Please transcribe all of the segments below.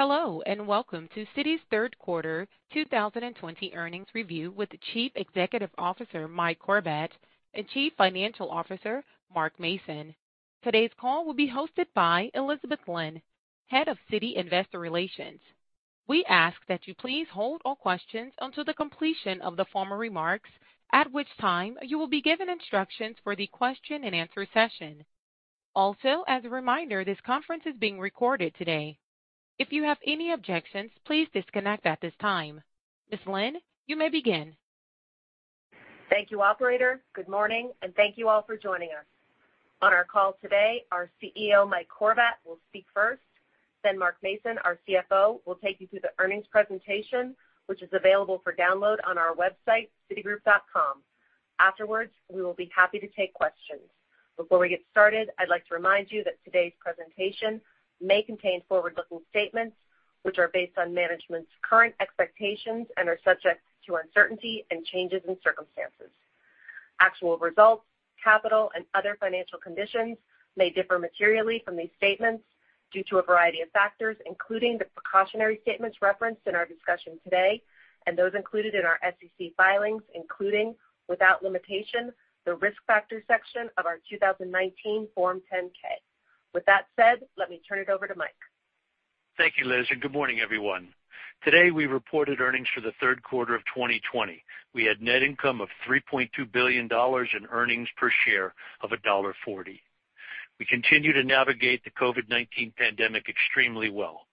Hello, and welcome to Citi's third quarter 2020 earnings review with Chief Executive Officer, Mike Corbat, and Chief Financial Officer, Mark Mason. Today's call will be hosted by Elizabeth Lynn, Head of Citi Investor Relations. Ms. Lynn, you may begin. Thank you, operator. Good morning, and thank you all for joining us. On our call today, our CEO, Mike Corbat, will speak first, then Mark Mason, our CFO, will take you through the earnings presentation, which is available for download on our website, citigroup.com. Afterwards, we will be happy to take questions. Before we get started, I'd like to remind you that today's presentation may contain forward-looking statements, which are based on management's current expectations and are subject to uncertainty and changes in circumstances. Actual results, capital, and other financial conditions may differ materially from these statements due to a variety of factors, including the precautionary statements referenced in our discussion today and those included in our SEC filings, including, without limitation, the Risk Factors section of our 2019 Form 10-K. With that said, let me turn it over to Mike. Thank you, Liz. Good morning, everyone. Today, we reported earnings for the third quarter of 2020. We had net income of $3.2 billion and earnings per share of $1.40. We continue to navigate the COVID-19 pandemic extremely well.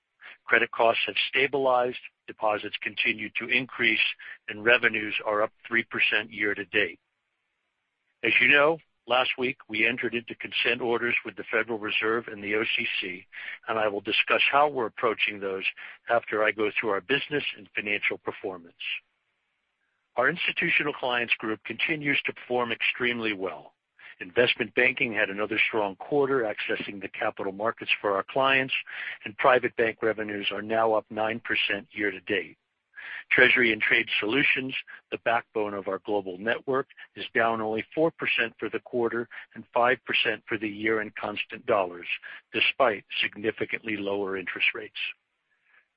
Credit costs have stabilized, deposits continue to increase, and revenues are up 3% year to date. As you know, last week, we entered into consent orders with the Federal Reserve and the OCC, and I will discuss how we're approaching those after I go through our business and financial performance. Our Institutional Clients Group continues to perform extremely well. Investment banking had another strong quarter accessing the capital markets for our clients, and private bank revenues are now up 9% year to date. Treasury and Trade Solutions, the backbone of our global network, is down only 4% for the quarter and 5% for the year in constant dollars, despite significantly lower interest rates.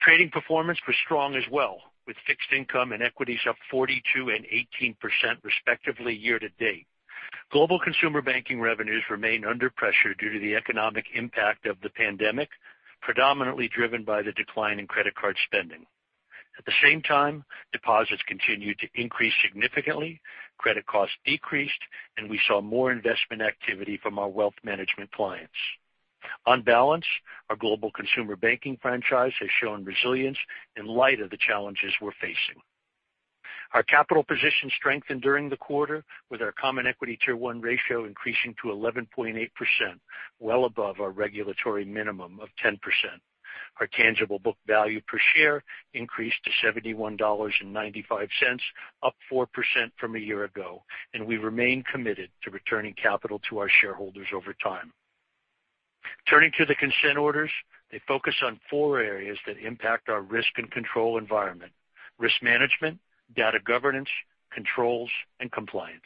Trading performance was strong as well, with fixed income and equities up 42% and 18%, respectively, year to date. Global Consumer Banking revenues remain under pressure due to the economic impact of the pandemic, predominantly driven by the decline in credit card spending. At the same time, deposits continued to increase significantly, credit costs decreased, and we saw more investment activity from our wealth management clients. On balance, our Global Consumer Banking franchise has shown resilience in light of the challenges we're facing. Our capital position strengthened during the quarter, with our Common Equity Tier 1 ratio increasing to 11.8%, well above our regulatory minimum of 10%. Our tangible book value per share increased to $71.95, up 4% from a year ago. We remain committed to returning capital to our shareholders over time. Turning to the Consent Orders, they focus on four areas that impact our risk and control environment, risk management, data governance, controls, and compliance.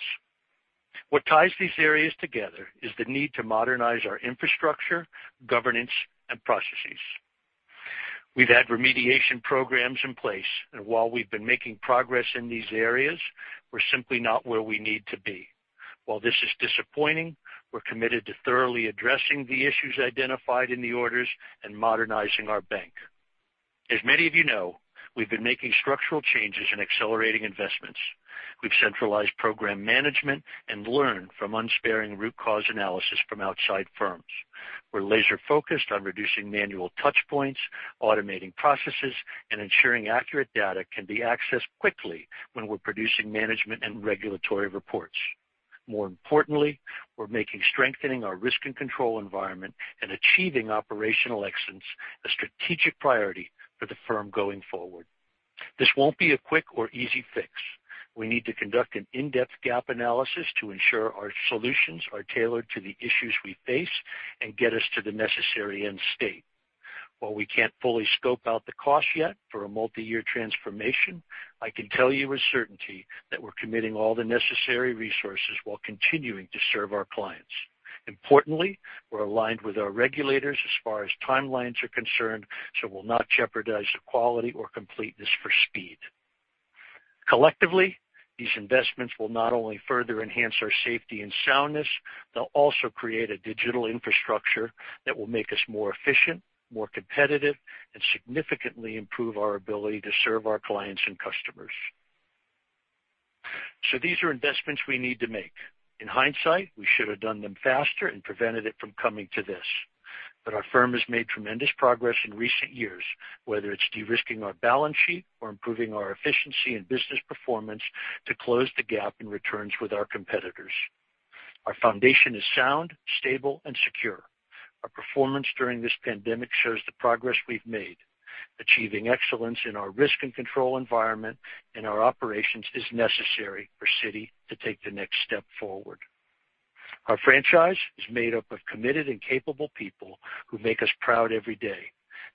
What ties these areas together is the need to modernize our infrastructure, governance, and processes. We've had remediation programs in place, and while we've been making progress in these areas, we're simply not where we need to be. While this is disappointing, we're committed to thoroughly addressing the issues identified in the Consent Orders and modernizing our bank. As many of you know, we've been making structural changes and accelerating investments. We've centralized program management and learned from unsparing root cause analysis from outside firms. We're laser-focused on reducing manual touchpoints, automating processes, and ensuring accurate data can be accessed quickly when we're producing management and regulatory reports. We're making strengthening our risk and control environment and achieving operational excellence a strategic priority for the firm going forward. This won't be a quick or easy fix. We need to conduct an in-depth gap analysis to ensure our solutions are tailored to the issues we face and get us to the necessary end state. While we can't fully scope out the cost yet for a multi-year transformation, I can tell you with certainty that we're committing all the necessary resources while continuing to serve our clients. We're aligned with our regulators as far as timelines are concerned, so we'll not jeopardize the quality or completeness for speed. Collectively, these investments will not only further enhance our safety and soundness, they'll also create a digital infrastructure that will make us more efficient, more competitive, and significantly improve our ability to serve our clients and customers. These are investments we need to make. In hindsight, we should have done them faster and prevented it from coming to this. Our firm has made tremendous progress in recent years, whether it's de-risking our balance sheet or improving our efficiency and business performance to close the gap in returns with our competitors. Our foundation is sound, stable, and secure. Our performance during this pandemic shows the progress we've made. Achieving excellence in our risk and control environment and our operations is necessary for Citi to take the next step forward. Our franchise is made up of committed and capable people who make us proud every day.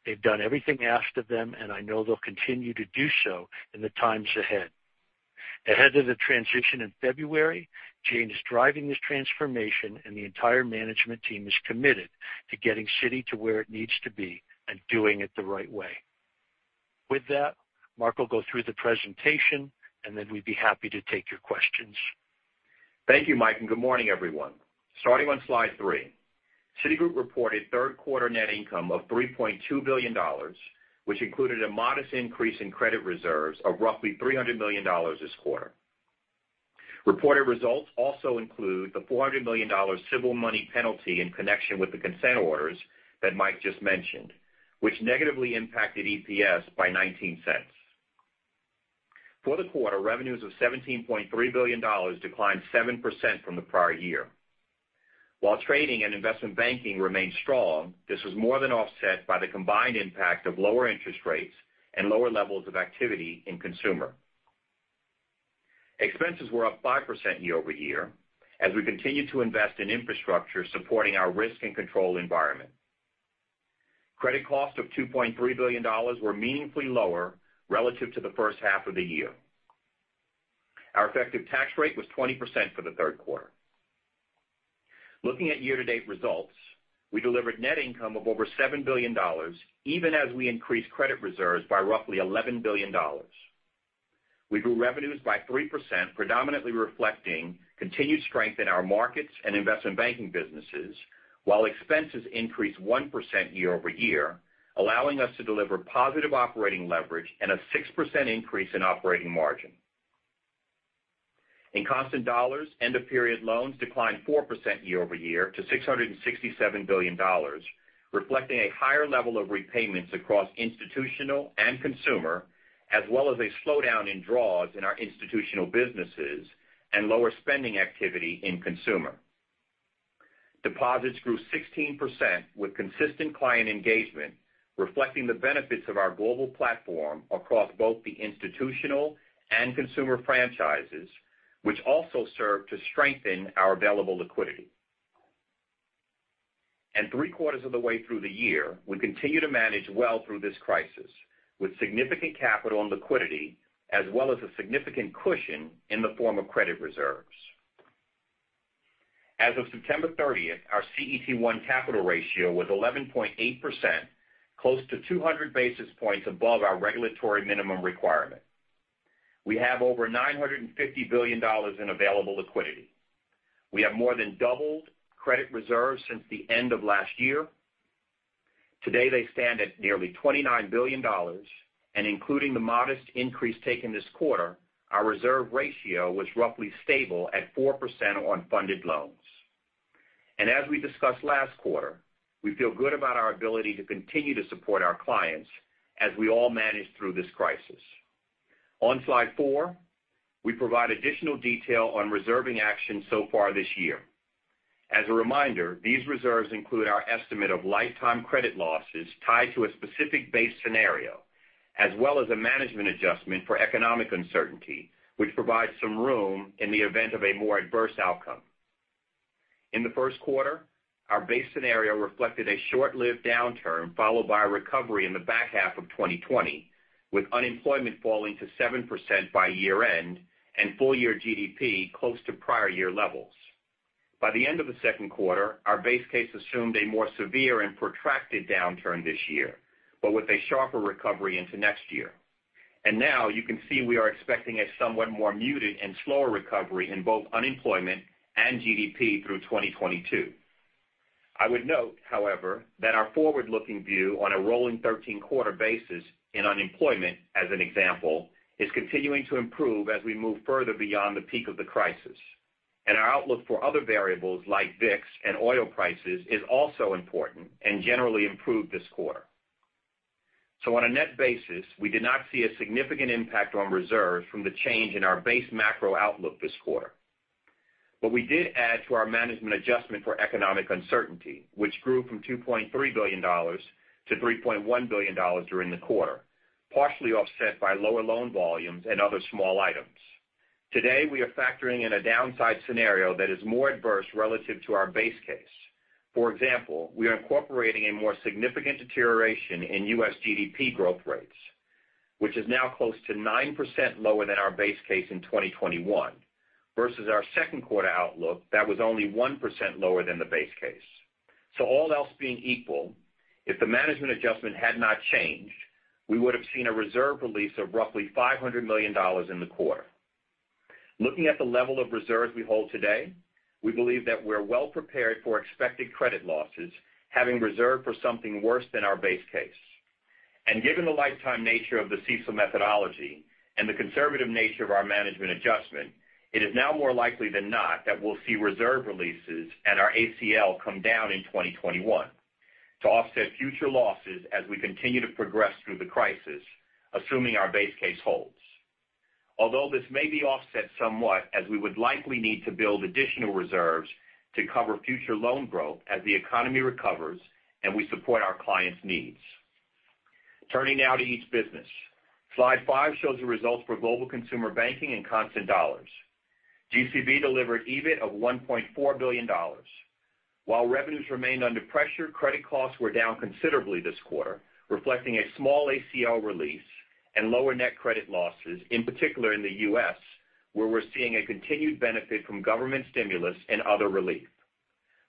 They've done everything asked of them, and I know they'll continue to do so in the times ahead. Ahead of the transition in February, Jane is driving this transformation, and the entire management team is committed to getting Citi to where it needs to be and doing it the right way. With that, Mark will go through the presentation, and then we'd be happy to take your questions. Thank you, Mike, and good morning, everyone. Starting on slide three, Citigroup reported third quarter net income of $3.2 billion, which included a modest increase in credit reserves of roughly $300 million this quarter. Reported results also include the $400 million civil money penalty in connection with the consent orders that Mike just mentioned, which negatively impacted EPS by $0.19. For the quarter, revenues of $17.3 billion declined 7% from the prior year. While trading and investment banking remained strong, this was more than offset by the combined impact of lower interest rates and lower levels of activity in consumer. Expenses were up 5% year-over-year, as we continued to invest in infrastructure supporting our risk and control environment. Credit costs of $2.3 billion were meaningfully lower relative to the first half of the year. Our effective tax rate was 20% for the third quarter. Looking at year-to-date results, we delivered net income of over $7 billion, even as we increased credit reserves by roughly $11 billion. We grew revenues by 3%, predominantly reflecting continued strength in our markets and investment banking businesses, while expenses increased 1% year-over-year, allowing us to deliver positive operating leverage and a 6% increase in operating margin. In constant dollars, end-of-period loans declined 4% year-over-year to $667 billion, reflecting a higher level of repayments across institutional and consumer, as well as a slowdown in draws in our institutional businesses and lower spending activity in consumer. Deposits grew 16% with consistent client engagement, reflecting the benefits of our global platform across both the institutional and consumer franchises, which also served to strengthen our available liquidity. At three-quarters of the way through the year, we continue to manage well through this crisis, with significant capital and liquidity, as well as a significant cushion in the form of credit reserves. As of September 30th, our CET1 capital ratio was 11.8%, close to 200 basis points above our regulatory minimum requirement. We have over $950 billion in available liquidity. We have more than doubled credit reserves since the end of last year. Today, they stand at nearly $29 billion, including the modest increase taken this quarter, our reserve ratio was roughly stable at 4% on funded loans. As we discussed last quarter, we feel good about our ability to continue to support our clients as we all manage through this crisis. On slide four, we provide additional detail on reserving actions so far this year. As a reminder, these reserves include our estimate of lifetime credit losses tied to a specific base scenario, as well as a management adjustment for economic uncertainty, which provides some room in the event of a more adverse outcome. In the first quarter, our base scenario reflected a short-lived downturn, followed by a recovery in the back half of 2020, with unemployment falling to 7% by year-end and full-year GDP close to prior year levels. By the end of the second quarter, our base case assumed a more severe and protracted downturn this year, but with a sharper recovery into next year. Now you can see we are expecting a somewhat more muted and slower recovery in both unemployment and GDP through 2022. I would note, however, that our forward-looking view on a rolling 13-quarter basis in unemployment, as an example, is continuing to improve as we move further beyond the peak of the crisis. Our outlook for other variables like VIX and oil prices is also important and generally improved this quarter. On a net basis, we did not see a significant impact on reserves from the change in our base macro outlook this quarter. We did add to our management adjustment for economic uncertainty, which grew from $2.3 billion to $3.1 billion during the quarter, partially offset by lower loan volumes and other small items. Today, we are factoring in a downside scenario that is more adverse relative to our base case. For example, we are incorporating a more significant deterioration in U.S. GDP growth rates, which is now close to 9% lower than our base case in 2021 versus our second quarter outlook that was only 1% lower than the base case. All else being equal, if the management adjustment had not changed, we would have seen a reserve release of roughly $500 million in the quarter. Looking at the level of reserves we hold today, we believe that we're well prepared for expected credit losses, having reserved for something worse than our base case. Given the lifetime nature of the CECL methodology and the conservative nature of our management adjustment, it is now more likely than not that we'll see reserve releases and our ACL come down in 2021 to offset future losses as we continue to progress through the crisis, assuming our base case holds. Although this may be offset somewhat as we would likely need to build additional reserves to cover future loan growth as the economy recovers and we support our clients' needs. Turning now to each business. Slide five shows the results for Global Consumer Banking in constant dollars. GCB delivered EBIT of $1.4 billion. While revenues remained under pressure, credit costs were down considerably this quarter, reflecting a small ACL release and lower net credit losses, in particular in the U.S., where we're seeing a continued benefit from government stimulus and other relief.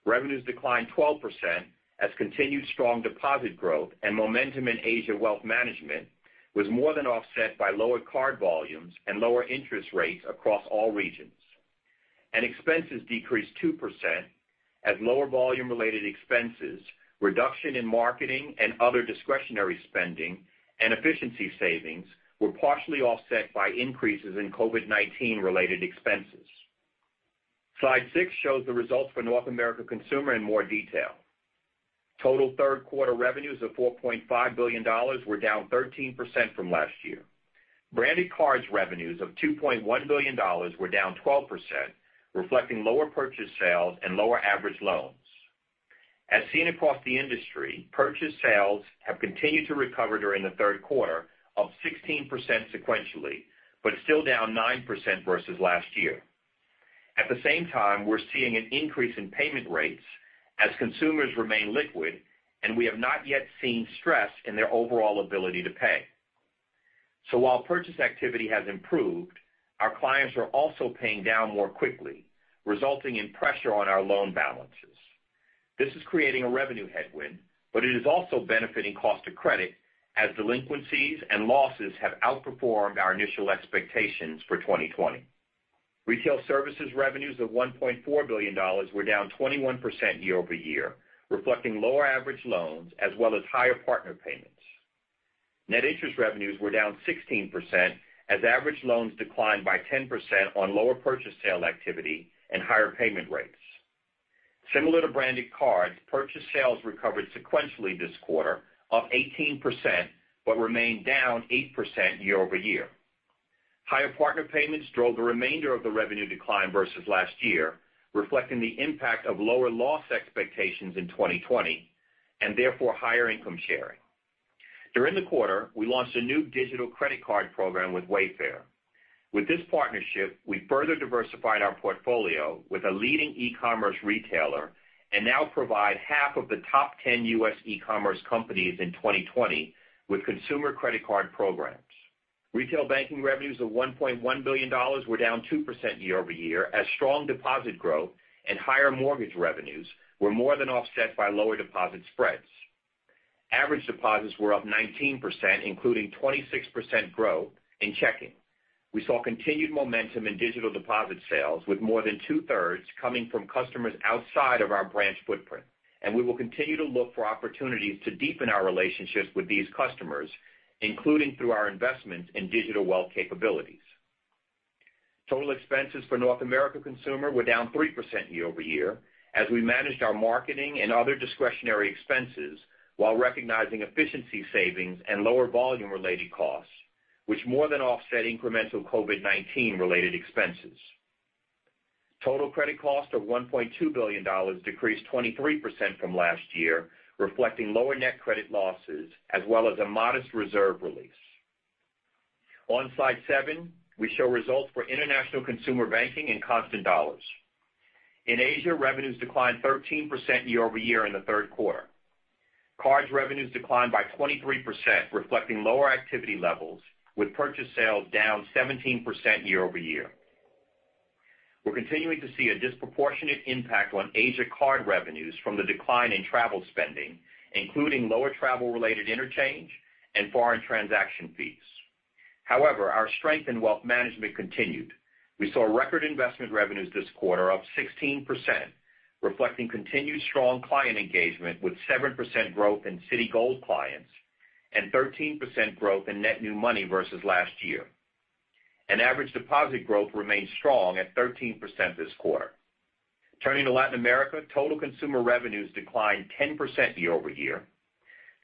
Revenues declined 12% as continued strong deposit growth and momentum in Asia Wealth Management was more than offset by lower card volumes and lower interest rates across all regions. Expenses decreased 2% as lower volume-related expenses, reduction in marketing and other discretionary spending, and efficiency savings were partially offset by increases in COVID-19 related expenses. Slide six shows the results for North America Consumer in more detail. Total third quarter revenues of $4.5 billion were down 13% from last year. branded cards revenues of $2.1 billion were down 12%, reflecting lower purchase sales and lower average loans. As seen across the industry, purchase sales have continued to recover during the third quarter of 16% sequentially, but still down 9% versus last year. At the same time, we're seeing an increase in payment rates as consumers remain liquid. We have not yet seen stress in their overall ability to pay. While purchase activity has improved, our clients are also paying down more quickly, resulting in pressure on our loan balances. This is creating a revenue headwind. It is also benefiting cost of credit as delinquencies and losses have outperformed our initial expectations for 2020. Retail services revenues of $1.4 billion were down 21% year-over-year, reflecting lower average loans as well as higher partner payments. Net interest revenues were down 16% as average loans declined by 10% on lower purchase sale activity and higher payment rates. Similar to branded cards, purchase sales recovered sequentially this quarter of 18%, but remained down 8% year-over-year. Higher partner payments drove the remainder of the revenue decline versus last year, reflecting the impact of lower loss expectations in 2020, and therefore higher income sharing. During the quarter, we launched a new digital credit card program with Wayfair. With this partnership, we further diversified our portfolio with a leading e-commerce retailer, and now provide half of the top 10 U.S. e-commerce companies in 2020 with consumer credit card programs. Retail banking revenues of $1.1 billion were down 2% year-over-year as strong deposit growth and higher mortgage revenues were more than offset by lower deposit spreads. Average deposits were up 19%, including 26% growth in checking. We saw continued momentum in digital deposit sales, with more than two-thirds coming from customers outside of our branch footprint, and we will continue to look for opportunities to deepen our relationships with these customers, including through our investments in digital wealth capabilities. Total expenses for North America Consumer were down 3% year-over-year as we managed our marketing and other discretionary expenses while recognizing efficiency savings and lower volume-related costs, which more than offset incremental COVID-19 related expenses. Total credit costs of $1.2 billion decreased 23% from last year, reflecting lower net credit losses, as well as a modest reserve release. On slide seven, we show results for International Consumer Banking in constant dollars. In Asia, revenues declined 13% year-over-year in the third quarter. Cards revenues declined by 23%, reflecting lower activity levels, with purchase sales down 17% year-over-year. We're continuing to see a disproportionate impact on Asia card revenues from the decline in travel spending, including lower travel-related interchange and foreign transaction fees. However, our strength in wealth management continued. We saw record investment revenues this quarter up 16%, reflecting continued strong client engagement with 7% growth in Citigold clients and 13% growth in net new money versus last year. Average deposit growth remains strong at 13% this quarter. Turning to Latin America, total consumer revenues declined 10% year-over-year.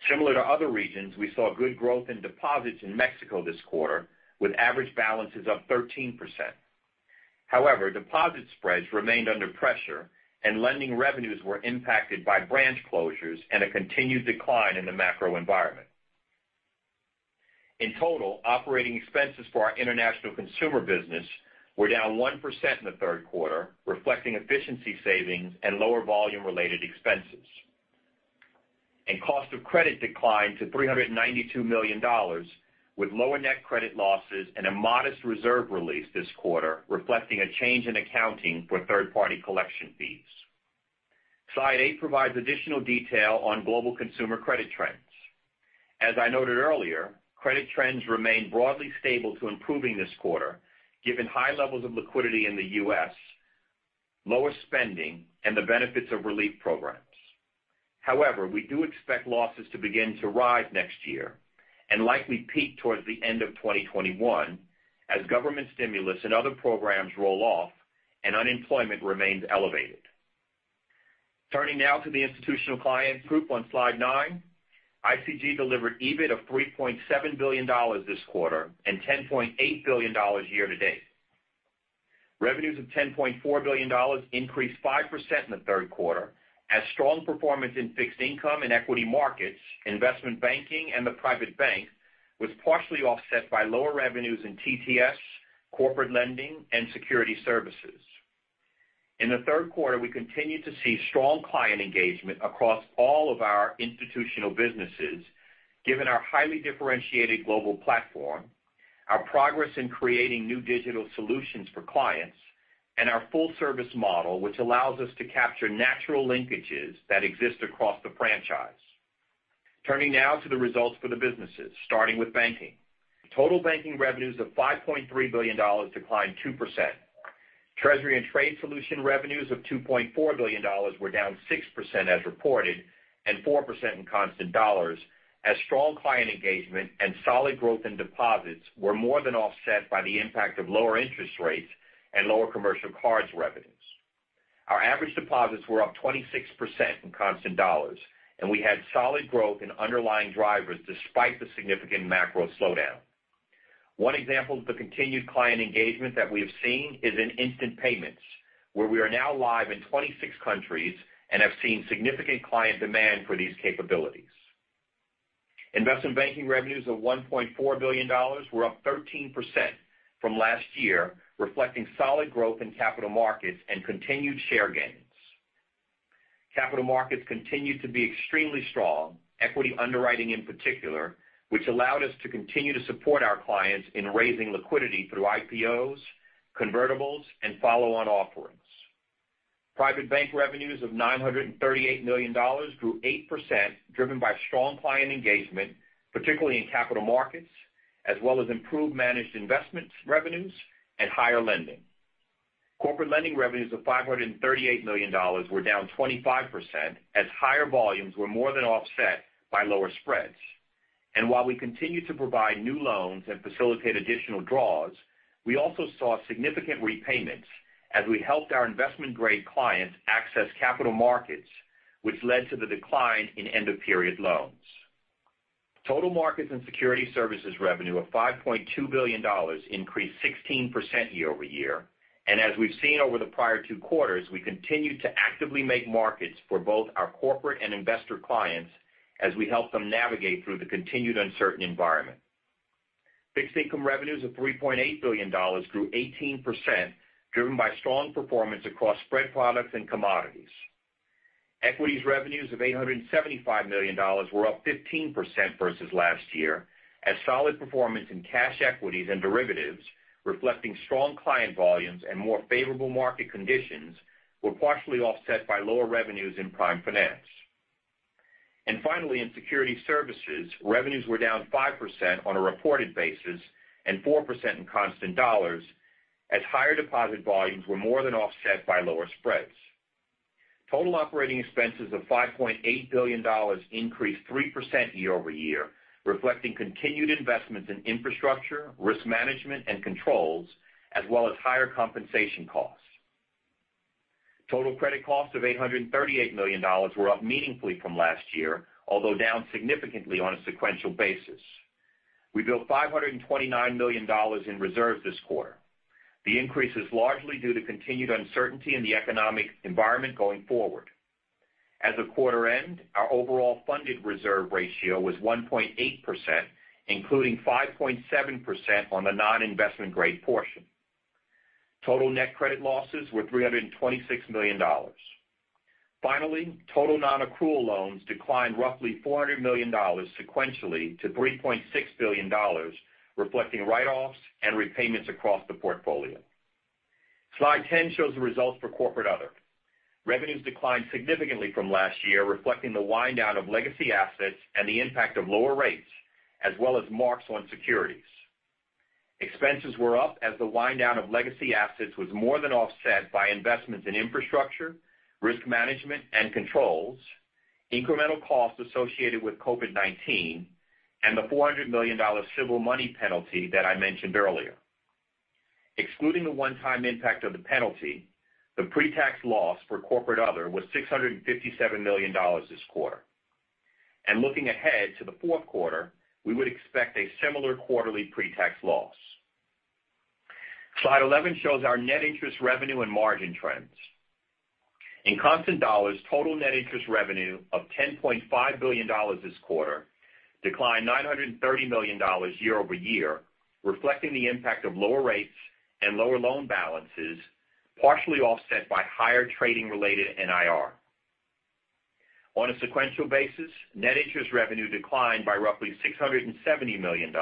Similar to other regions, we saw good growth in deposits in Mexico this quarter, with average balances up 13%. However, deposit spreads remained under pressure and lending revenues were impacted by branch closures and a continued decline in the macro environment. In total, operating expenses for our International Consumer business were down 1% in the third quarter, reflecting efficiency savings and lower volume-related expenses. Cost of credit declined to $392 million, with lower net credit losses and a modest reserve release this quarter, reflecting a change in accounting for third-party collection fees. Slide eight provides additional detail on global consumer credit trends. As I noted earlier, credit trends remain broadly stable to improving this quarter, given high levels of liquidity in the U.S., lower spending, and the benefits of relief programs. However, we do expect losses to begin to rise next year and likely peak towards the end of 2021 as government stimulus and other programs roll off and unemployment remains elevated. Turning now to the Institutional Clients Group on Slide nine. ICG delivered EBIT of $3.7 billion this quarter and $10.8 billion year to date. Revenues of $10.4 billion increased 5% in the third quarter, as strong performance in fixed income and equity markets, investment banking and the private bank was partially offset by lower revenues in TTS, corporate lending, and security services. In the third quarter, we continued to see strong client engagement across all of our institutional businesses, given our highly differentiated global platform, our progress in creating new digital solutions for clients, and our full-service model, which allows us to capture natural linkages that exist across the franchise. Turning now to the results for the businesses, starting with banking. Total banking revenues of $5.3 billion declined 2%. Treasury and Trade Solutions revenues of $2.4 billion were down 6% as reported, and 4% in constant dollars, as strong client engagement and solid growth in deposits were more than offset by the impact of lower interest rates and lower commercial cards revenues. Our average deposits were up 26% in constant dollars, and we had solid growth in underlying drivers despite the significant macro slowdown. One example of the continued client engagement that we have seen is in instant payments, where we are now live in 26 countries and have seen significant client demand for these capabilities. Investment banking revenues of $1.4 billion were up 13% from last year, reflecting solid growth in capital markets and continued share gains. Capital markets continued to be extremely strong, equity underwriting in particular, which allowed us to continue to support our clients in raising liquidity through IPOs, convertibles, and follow-on offerings. Private bank revenues of $938 million grew 8%, driven by strong client engagement, particularly in capital markets, as well as improved managed investments revenues and higher lending. Corporate lending revenues of $538 million were down 25%, as higher volumes were more than offset by lower spreads. While we continued to provide new loans and facilitate additional draws, we also saw significant repayments as we helped our investment-grade clients access capital markets, which led to the decline in end-of-period loans. Total markets and security services revenue of $5.2 billion increased 16% year-over-year. As we've seen over the prior two quarters, we continued to actively make markets for both our corporate and investor clients as we help them navigate through the continued uncertain environment. Fixed income revenues of $3.8 billion grew 18%, driven by strong performance across spread products and commodities. Equities revenues of $875 million were up 15% versus last year, as solid performance in cash equities and derivatives, reflecting strong client volumes and more favorable market conditions, were partially offset by lower revenues in prime finance. Finally, in security services, revenues were down 5% on a reported basis and 4% in constant dollars as higher deposit volumes were more than offset by lower spreads. Total operating expenses of $5.8 billion increased 3% year-over-year, reflecting continued investments in infrastructure, risk management, and controls, as well as higher compensation costs. Total credit costs of $838 million were up meaningfully from last year, although down significantly on a sequential basis. We built $529 million in reserve this quarter. The increase is largely due to continued uncertainty in the economic environment going forward. As of quarter end, our overall funded reserve ratio was 1.8%, including 5.7% on the non-investment-grade portion. Total net credit losses were $326 million. Finally, total non-accrual loans declined roughly $400 million sequentially to $3.6 billion, reflecting write-offs and repayments across the portfolio. Slide 10 shows the results for Corporate Other. Revenues declined significantly from last year, reflecting the wind-down of legacy assets and the impact of lower rates, as well as marks on securities. Expenses were up as the wind-down of legacy assets was more than offset by investments in infrastructure, risk management, and controls, incremental costs associated with COVID-19, and the $400 million civil money penalty that I mentioned earlier. Excluding the one-time impact of the penalty, the pre-tax loss for Corporate Other was $657 million this quarter. Looking ahead to the fourth quarter, we would expect a similar quarterly pre-tax loss. Slide 11 shows our net interest revenue and margin trends. In constant dollars, total net interest revenue of $10.5 billion this quarter declined $930 million year-over-year, reflecting the impact of lower rates and lower loan balances, partially offset by higher trading-related NIR. On a sequential basis, net interest revenue declined by roughly $670 million,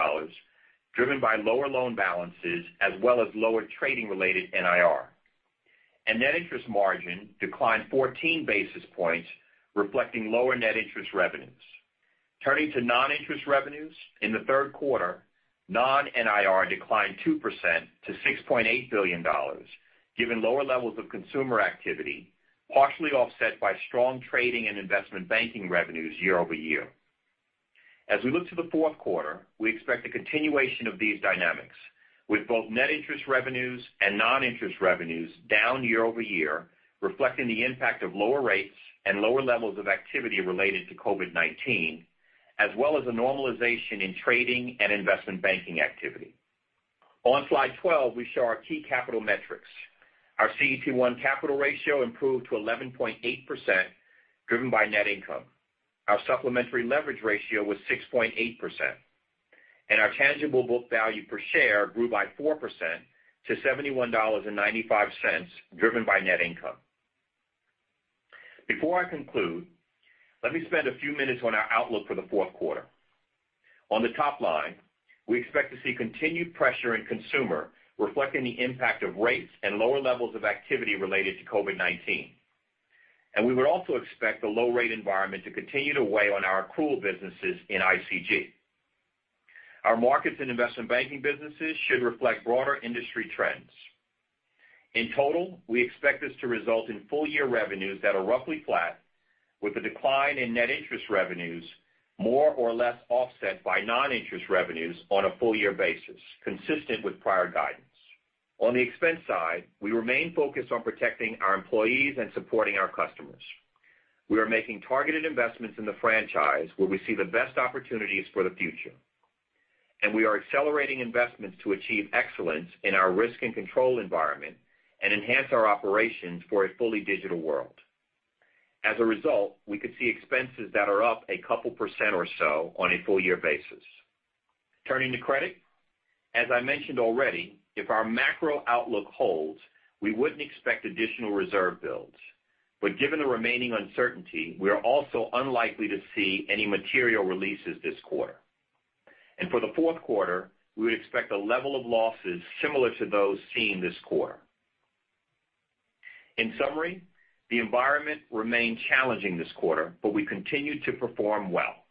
driven by lower loan balances as well as lower trading-related NIR. Net interest margin declined 14 basis points, reflecting lower net interest revenues. Turning to non-interest revenues, in the third quarter, non-NIR declined 2% to $6.8 billion, given lower levels of consumer activity, partially offset by strong trading and investment banking revenues year-over-year. As we look to the fourth quarter, we expect a continuation of these dynamics with both net interest revenues and non-interest revenues down year-over-year, reflecting the impact of lower rates and lower levels of activity related to COVID-19, as well as a normalization in trading and investment banking activity. On slide 12, we show our key capital metrics. Our CET1 capital ratio improved to 11.8%, driven by net income. Our supplementary leverage ratio was 6.8%, and our tangible book value per share grew by 4% to $71.95, driven by net income. Before I conclude, let me spend a few minutes on our outlook for the fourth quarter. On the top line, we expect to see continued pressure in consumer, reflecting the impact of rates and lower levels of activity related to COVID-19. We would also expect the low rate environment to continue to weigh on our accrual businesses in ICG. Our markets and investment banking businesses should reflect broader industry trends. In total, we expect this to result in full year revenues that are roughly flat, with a decline in net interest revenues, more or less offset by non-interest revenues on a full year basis, consistent with prior guidance. On the expense side, we remain focused on protecting our employees and supporting our customers. We are making targeted investments in the franchise where we see the best opportunities for the future. We are accelerating investments to achieve excellence in our risk and control environment and enhance our operations for a fully digital world. As a result, we could see expenses that are up a couple % or so on a full year basis. Turning to credit. As I mentioned already, if our macro outlook holds, we wouldn't expect additional reserve builds. Given the remaining uncertainty, we are also unlikely to see any material releases this quarter. For the fourth quarter, we would expect a level of losses similar to those seen this quarter. In summary, the environment remained challenging this quarter, but we continued to perform well.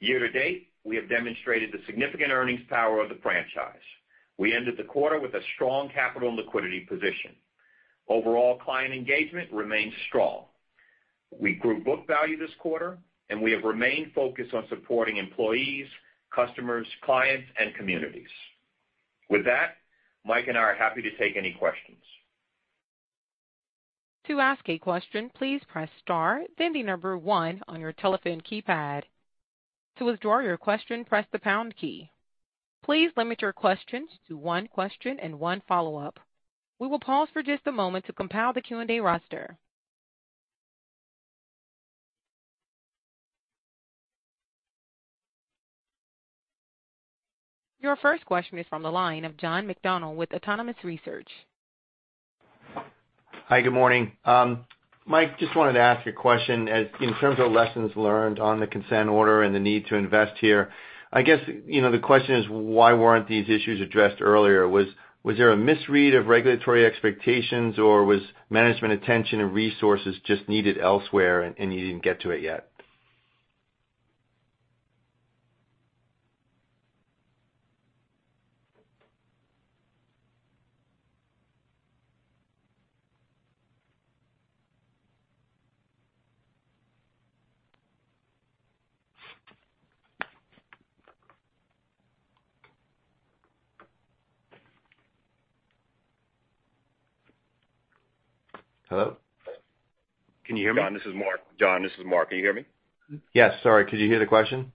Year to date, we have demonstrated the significant earnings power of the franchise. We ended the quarter with a strong capital and liquidity position. Overall client engagement remains strong. We grew book value this quarter, and we have remained focused on supporting employees, customers, clients, and communities. With that, Mike and I are happy to take any questions. To ask a question, please press star, then the number one on your telephone keypad. To withdraw your question, press the pound key. Please limit your questions to one question and one follow-up. We will pause for just a moment to compile the Q&A roster. Your first question is from the line of John McDonald with Autonomous Research. Hi, good morning. Mike, just wanted to ask a question. In terms of lessons learned on the consent order and the need to invest here, I guess the question is, why weren't these issues addressed earlier? Was there a misread of regulatory expectations, or was management attention and resources just needed elsewhere and you didn't get to it yet? Hello? Can you hear me? John, this is Mark. Can you hear me? Yes. Sorry, could you hear the question?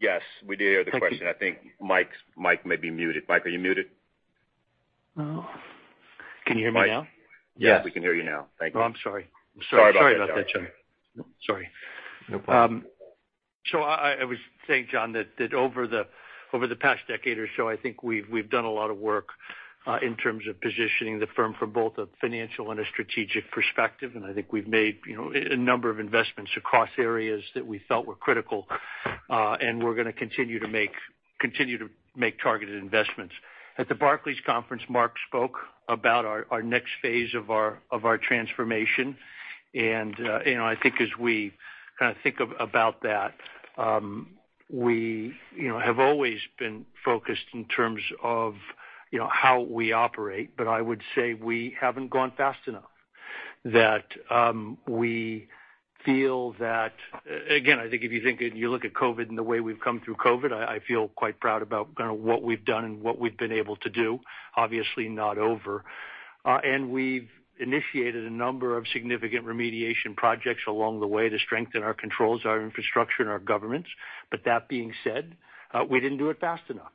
Yes. We did hear the question. I think Mike may be muted. Mike, are you muted? Can you hear me now? Yes, we can hear you now. Thank you. Oh, I'm sorry. Sorry about that, John. Sorry. No problem. I was saying, John, that over the past decade or so, I think we've done a lot of work in terms of positioning the firm from both a financial and a strategic perspective. I think we've made a number of investments across areas that we felt were critical. We're going to continue to make targeted investments. At the Barclays conference, Mark spoke about our next phase of our transformation. I think as we kind of think about that, we have always been focused in terms of how we operate. I would say we haven't gone fast enough. That we feel that, again, I think if you look at COVID and the way we've come through COVID, I feel quite proud about kind of what we've done and what we've been able to do. Obviously not over. We've initiated a number of significant remediation projects along the way to strengthen our controls, our infrastructure, and our governance. That being said, we didn't do it fast enough.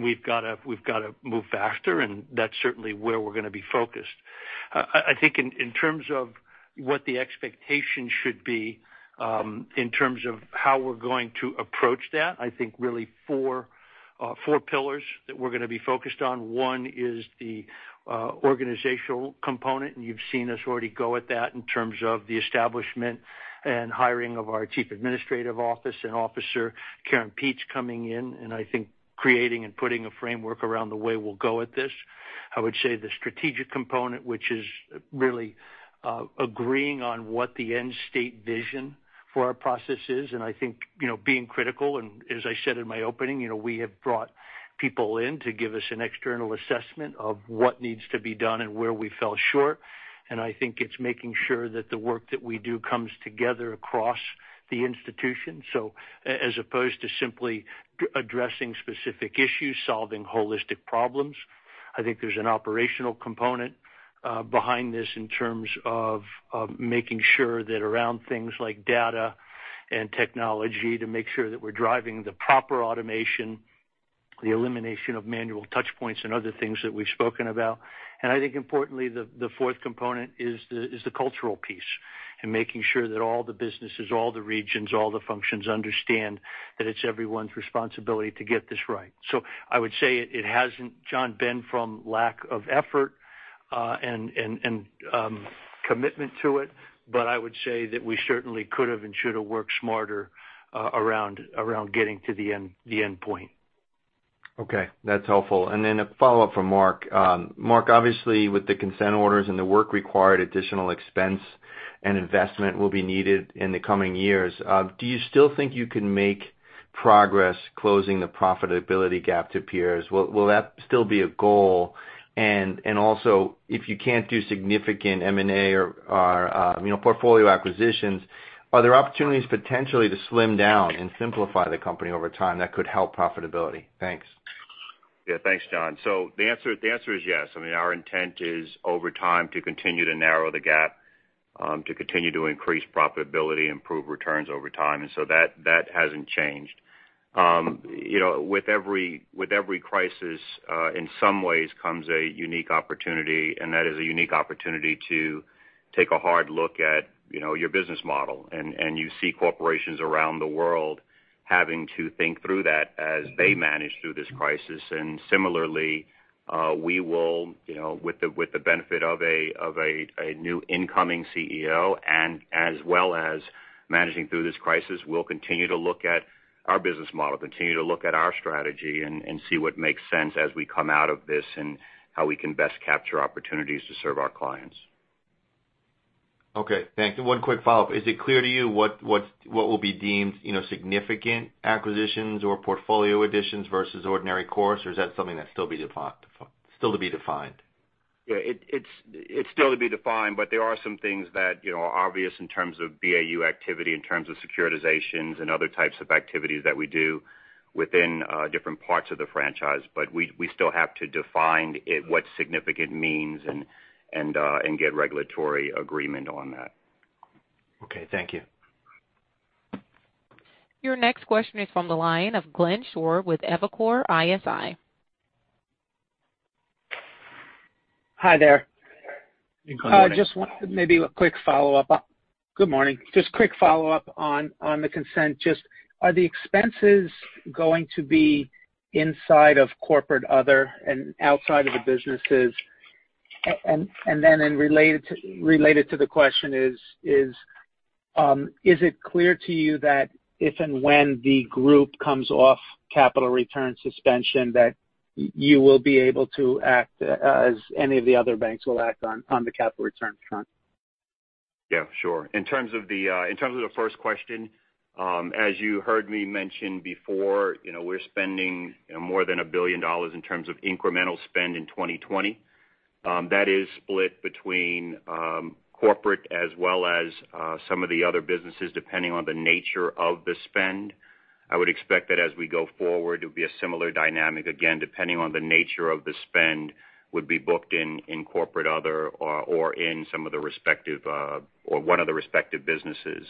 We've got to move faster, and that's certainly where we're going to be focused. I think in terms of what the expectation should be, in terms of how we're going to approach that, I think really four pillars that we're going to be focused on. One is the organizational component, and you've seen us already go at that in terms of the establishment and hiring of our Chief Administrative Office and Officer, Karen Peetz coming in, and I think creating and putting a framework around the way we'll go at this. I would say the strategic component, which is really agreeing on what the end state vision for our process is. I think being critical, and as I said in my opening, we have brought people in to give us an external assessment of what needs to be done and where we fell short. I think it's making sure that the work that we do comes together across the institution. As opposed to simply addressing specific issues, solving holistic problems. I think there's an operational component behind this in terms of making sure that around things like data and technology, to make sure that we're driving the proper automation, the elimination of manual touch points and other things that we've spoken about. I think importantly, the fourth component is the cultural piece, and making sure that all the businesses, all the regions, all the functions understand that it's everyone's responsibility to get this right. I would say it hasn't, John, been from lack of effort and commitment to it, but I would say that we certainly could have and should have worked smarter around getting to the end point. Okay. That's helpful. Then a follow-up from Mark. Mark, obviously with the consent orders and the work required, additional expense and investment will be needed in the coming years. Do you still think you can make progress closing the profitability gap to peers? Will that still be a goal? Also, if you can't do significant M&A or portfolio acquisitions, are there opportunities potentially to slim down and simplify the company over time that could help profitability? Thanks. Yeah. Thanks, John. The answer is yes. I mean, our intent is, over time, to continue to narrow the gap, to continue to increase profitability, improve returns over time. That hasn't changed. With every crisis, in some ways comes a unique opportunity, and that is a unique opportunity to take a hard look at your business model. You see corporations around the world having to think through that as they manage through this crisis. Similarly, we will, with the benefit of a new incoming CEO and as well as managing through this crisis, we'll continue to look at our business model, continue to look at our strategy and see what makes sense as we come out of this and how we can best capture opportunities to serve our clients. Okay, thanks. One quick follow-up. Is it clear to you what will be deemed significant acquisitions or portfolio additions versus ordinary course? Is that something that's still to be defined? Yeah, it's still to be defined, but there are some things that are obvious in terms of BAU activity, in terms of securitizations and other types of activities that we do within different parts of the franchise. We still have to define what significant means and get regulatory agreement on that. Okay. Thank you. Your next question is from the line of Glenn Schorr with Evercore ISI. Hi there. Good morning. Maybe a quick follow-up. Good morning. Quick follow-up on the consent. Are the expenses going to be inside of Corporate Other and outside of the businesses? Related to the question is it clear to you that if and when Citigroup comes off capital return suspension, that you will be able to act as any of the other banks will act on the capital returns front? Yeah, sure. In terms of the first question, as you heard me mention before, we're spending more than $1 billion in terms of incremental spend in 2020. That is split between corporate as well as some of the other businesses, depending on the nature of the spend. I would expect that as we go forward, it will be a similar dynamic. Again, depending on the nature of the spend, would be booked in corporate other or in some of the respective, or one of the respective businesses.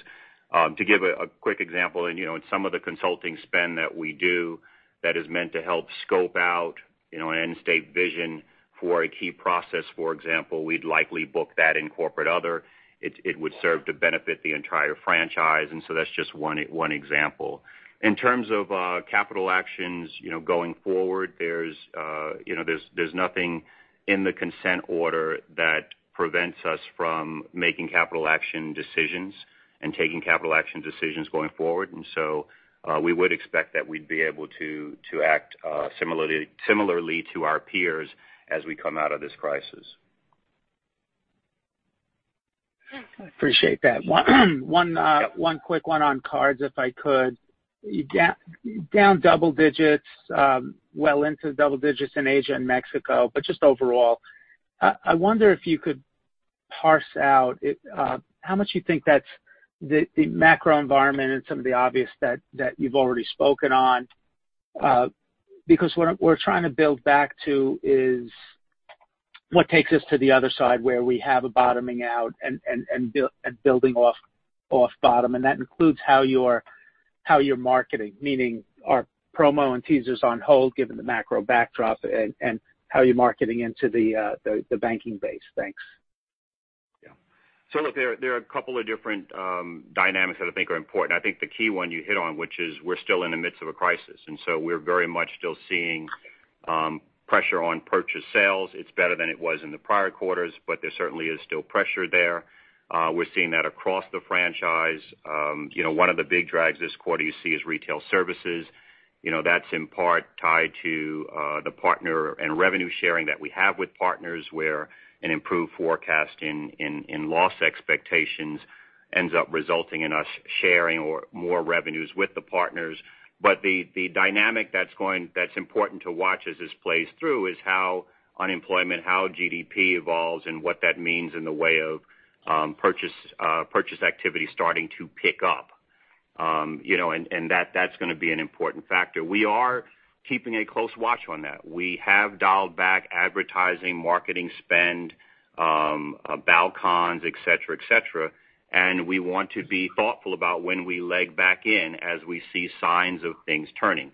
To give a quick example, in some of the consulting spend that we do that is meant to help scope out an end state vision for a key process, for example, we'd likely book that in corporate other. It would serve to benefit the entire franchise. That's just one example. In terms of capital actions going forward, there's nothing in the consent order that prevents us from making capital action decisions and taking capital action decisions going forward. We would expect that we'd be able to act similarly to our peers as we come out of this crisis. I appreciate that. One quick one on cards, if I could. Down double digits, well into double digits in Asia and Mexico, but just overall, I wonder if you could parse out how much you think that's the macro environment and some of the obvious that you've already spoken on. What we're trying to build back to is what takes us to the other side where we have a bottoming out and building off bottom, and that includes how you're marketing, meaning are promo and teasers on hold given the macro backdrop and how you're marketing into the banking base. Thanks. Yeah. Look, there are a couple of different dynamics that I think are important. I think the key one you hit on, which is we're still in the midst of a crisis, and so we're very much still seeing pressure on purchase sales. It's better than it was in the prior quarters, but there certainly is still pressure there. We're seeing that across the franchise. One of the big drags this quarter you see is retail services. That's in part tied to the partner and revenue sharing that we have with partners, where an improved forecast in loss expectations ends up resulting in us sharing more revenues with the partners. The dynamic that's important to watch as this plays through is how unemployment, how GDP evolves and what that means in the way of purchase activity starting to pick up. That's going to be an important factor. We are keeping a close watch on that. We have dialed back advertising, marketing spend, balance transfers, et cetera. We want to be thoughtful about when we leg back in as we see signs of things turning.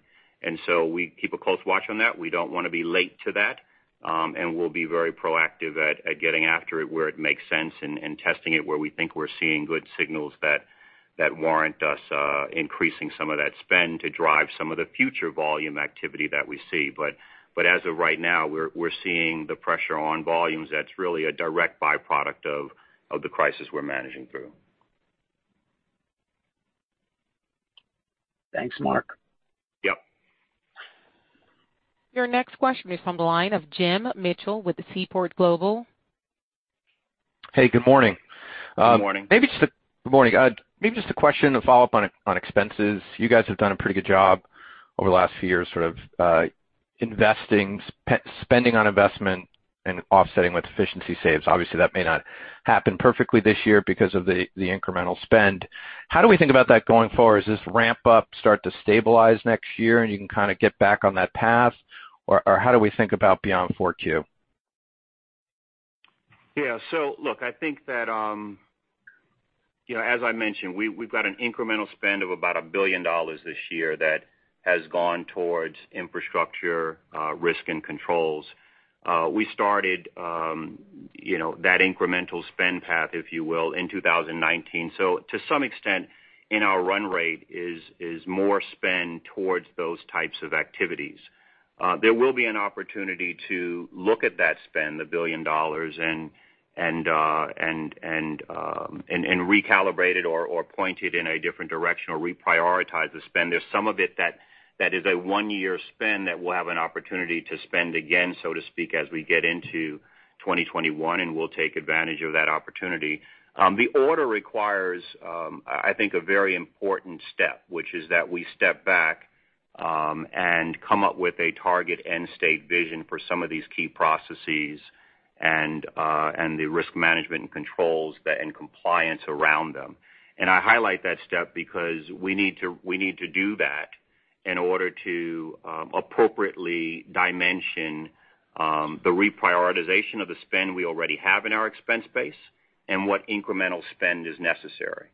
We keep a close watch on that. We don't want to be late to that. We'll be very proactive at getting after it, where it makes sense and testing it where we think we're seeing good signals that warrant us increasing some of that spend to drive some of the future volume activity that we see. As of right now, we're seeing the pressure on volumes that's really a direct byproduct of the crisis we're managing through. Thanks, Mark. Yep. Your next question is from the line of Jim Mitchell with Seaport Global. Hey, good morning. Good morning. Good morning. Maybe just a question to follow up on expenses. You guys have done a pretty good job over the last few years, sort of investing, spending on investment and offsetting with efficiency saves. Obviously, that may not happen perfectly this year because of the incremental spend. How do we think about that going forward? Is this ramp up start to stabilize next year and you can kind of get back on that path? How do we think about beyond 4Q? Yeah. Look, I think that, as I mentioned, we've got an incremental spend of about $1 billion this year that has gone towards infrastructure, risk and controls. We started that incremental spend path, if you will, in 2019. To some extent, in our run rate is more spend towards those types of activities. There will be an opportunity to look at that spend, $1 billion, and recalibrate it or point it in a different direction or reprioritize the spend. There's some of it that is a one-year spend that we'll have an opportunity to spend again, so to speak, as we get into 2021, and we'll take advantage of that opportunity. The order requires, I think, a very important step, which is that we step back, and come up with a target end state vision for some of these key processes and the risk management and controls and compliance around them. I highlight that step because we need to do that in order to appropriately dimension the reprioritization of the spend we already have in our expense base and what incremental spend is necessary.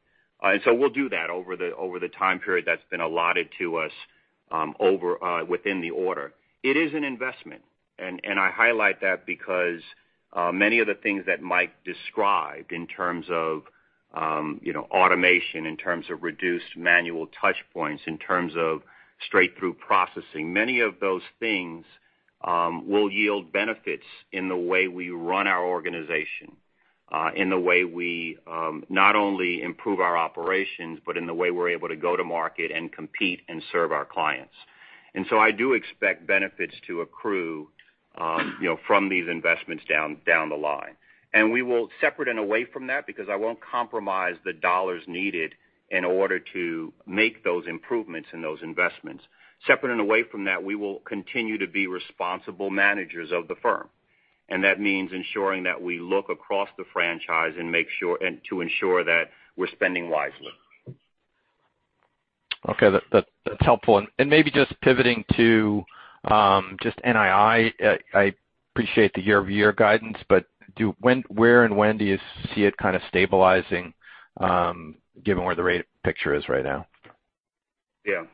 We'll do that over the time period that's been allotted to us within the order. It is an investment. I highlight that because, many of the things that Mike described in terms of automation, in terms of reduced manual touch points, in terms of straight-through processing, many of those things will yield benefits in the way we run our organization, in the way we not only improve our operations, but in the way we're able to go to market and compete and serve our clients. I do expect benefits to accrue from these investments down the line. We will separate and away from that because I won't compromise the dollars needed in order to make those improvements in those investments. Separate and away from that, we will continue to be responsible managers of the firm. That means ensuring that we look across the franchise and to ensure that we're spending wisely. Okay. That's helpful. Maybe just pivoting to just NII. I appreciate the year-over-year guidance, but where and when do you see it kind of stabilizing, given where the rate picture is right now? Yeah.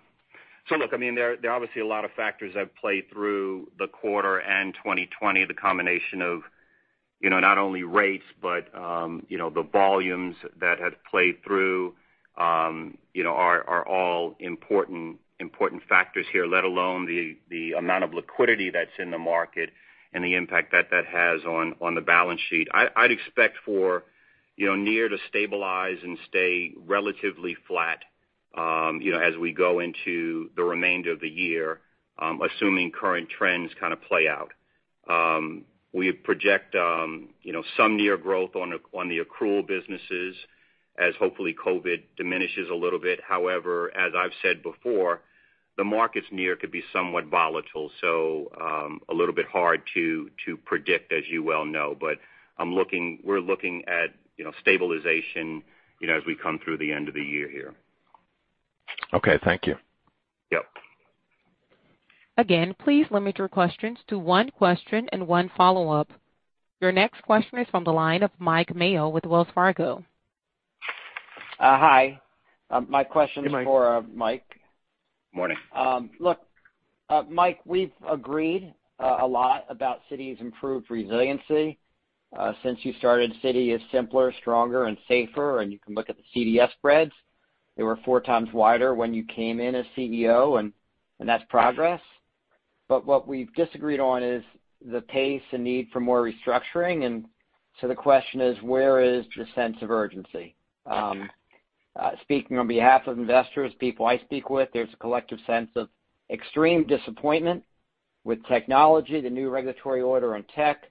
Look, there are obviously a lot of factors that play through the quarter and 2020. The combination of not only rates, but the volumes that have played through, are all important factors here, let alone the amount of liquidity that's in the market and the impact that has on the balance sheet. I'd expect for NII to stabilize and stay relatively flat as we go into the remainder of the year, assuming current trends kind of play out. We project some NII growth on the accrual businesses as hopefully COVID diminishes a little bit. However, as I've said before, the market's NII could be somewhat volatile. A little bit hard to predict as you well know, but we're looking at stabilization as we come through the end of the year here. Okay. Thank you. Yep. Again, please limit your questions to one question and one follow-up. Your next question is from the line of Mike Mayo with Wells Fargo. Hi. Hey, Mike. is for Mike. Morning. Look, Mike, we've agreed a lot about Citi's improved resiliency. Since you started, Citi is simpler, stronger, and safer. You can look at the CDS spreads. They were four times wider when you came in as CEO. That's progress. What we've disagreed on is the pace and need for more restructuring. The question is, where is the sense of urgency? Speaking on behalf of investors, people I speak with, there's a collective sense of extreme disappointment with technology, the new regulatory order on tech.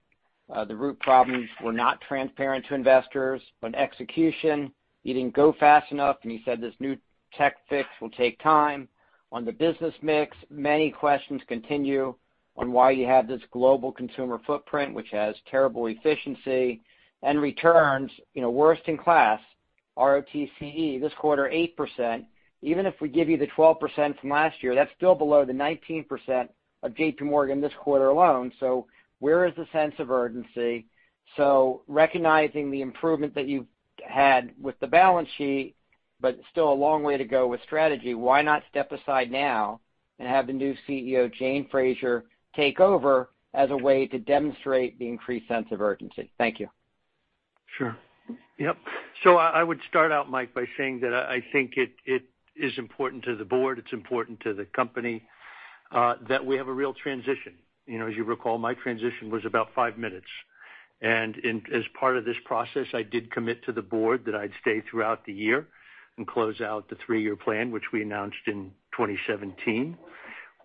The root problems were not transparent to investors. On execution, you didn't go fast enough. You said this new tech fix will take time. On the business mix, many questions continue on why you have this global consumer footprint, which has terrible efficiency and returns, worst in class ROTCE. This quarter, 8%. Even if we give you the 12% from last year, that's still below the 19% of JPMorgan this quarter alone. Where is the sense of urgency? Recognizing the improvement that you've had with the balance sheet, but still a long way to go with strategy, why not step aside now and have the new CEO, Jane Fraser, take over as a way to demonstrate the increased sense of urgency? Thank you. Sure. Yep. I would start out, Mike, by saying that I think it is important to the board, it's important to the company, that we have a real transition. As you recall, my transition was about five minutes. As part of this process, I did commit to the board that I'd stay throughout the year and close out the three-year plan, which we announced in 2017.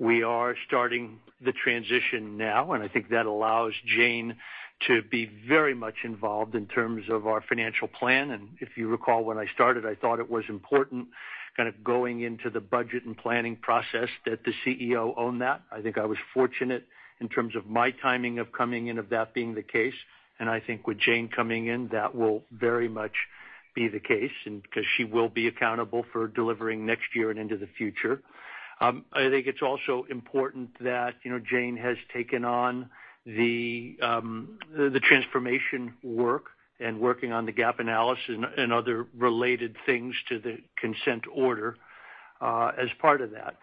We are starting the transition now, and I think that allows Jane to be very much involved in terms of our financial plan. If you recall, when I started, I thought it was important kind of going into the budget and planning process that the CEO own that. I think I was fortunate in terms of my timing of coming in, of that being the case. I think with Jane coming in, that will very much be the case because she will be accountable for delivering next year and into the future. I think it's also important that Jane has taken on the transformation work and working on the gap analysis and other related things to the consent order, as part of that.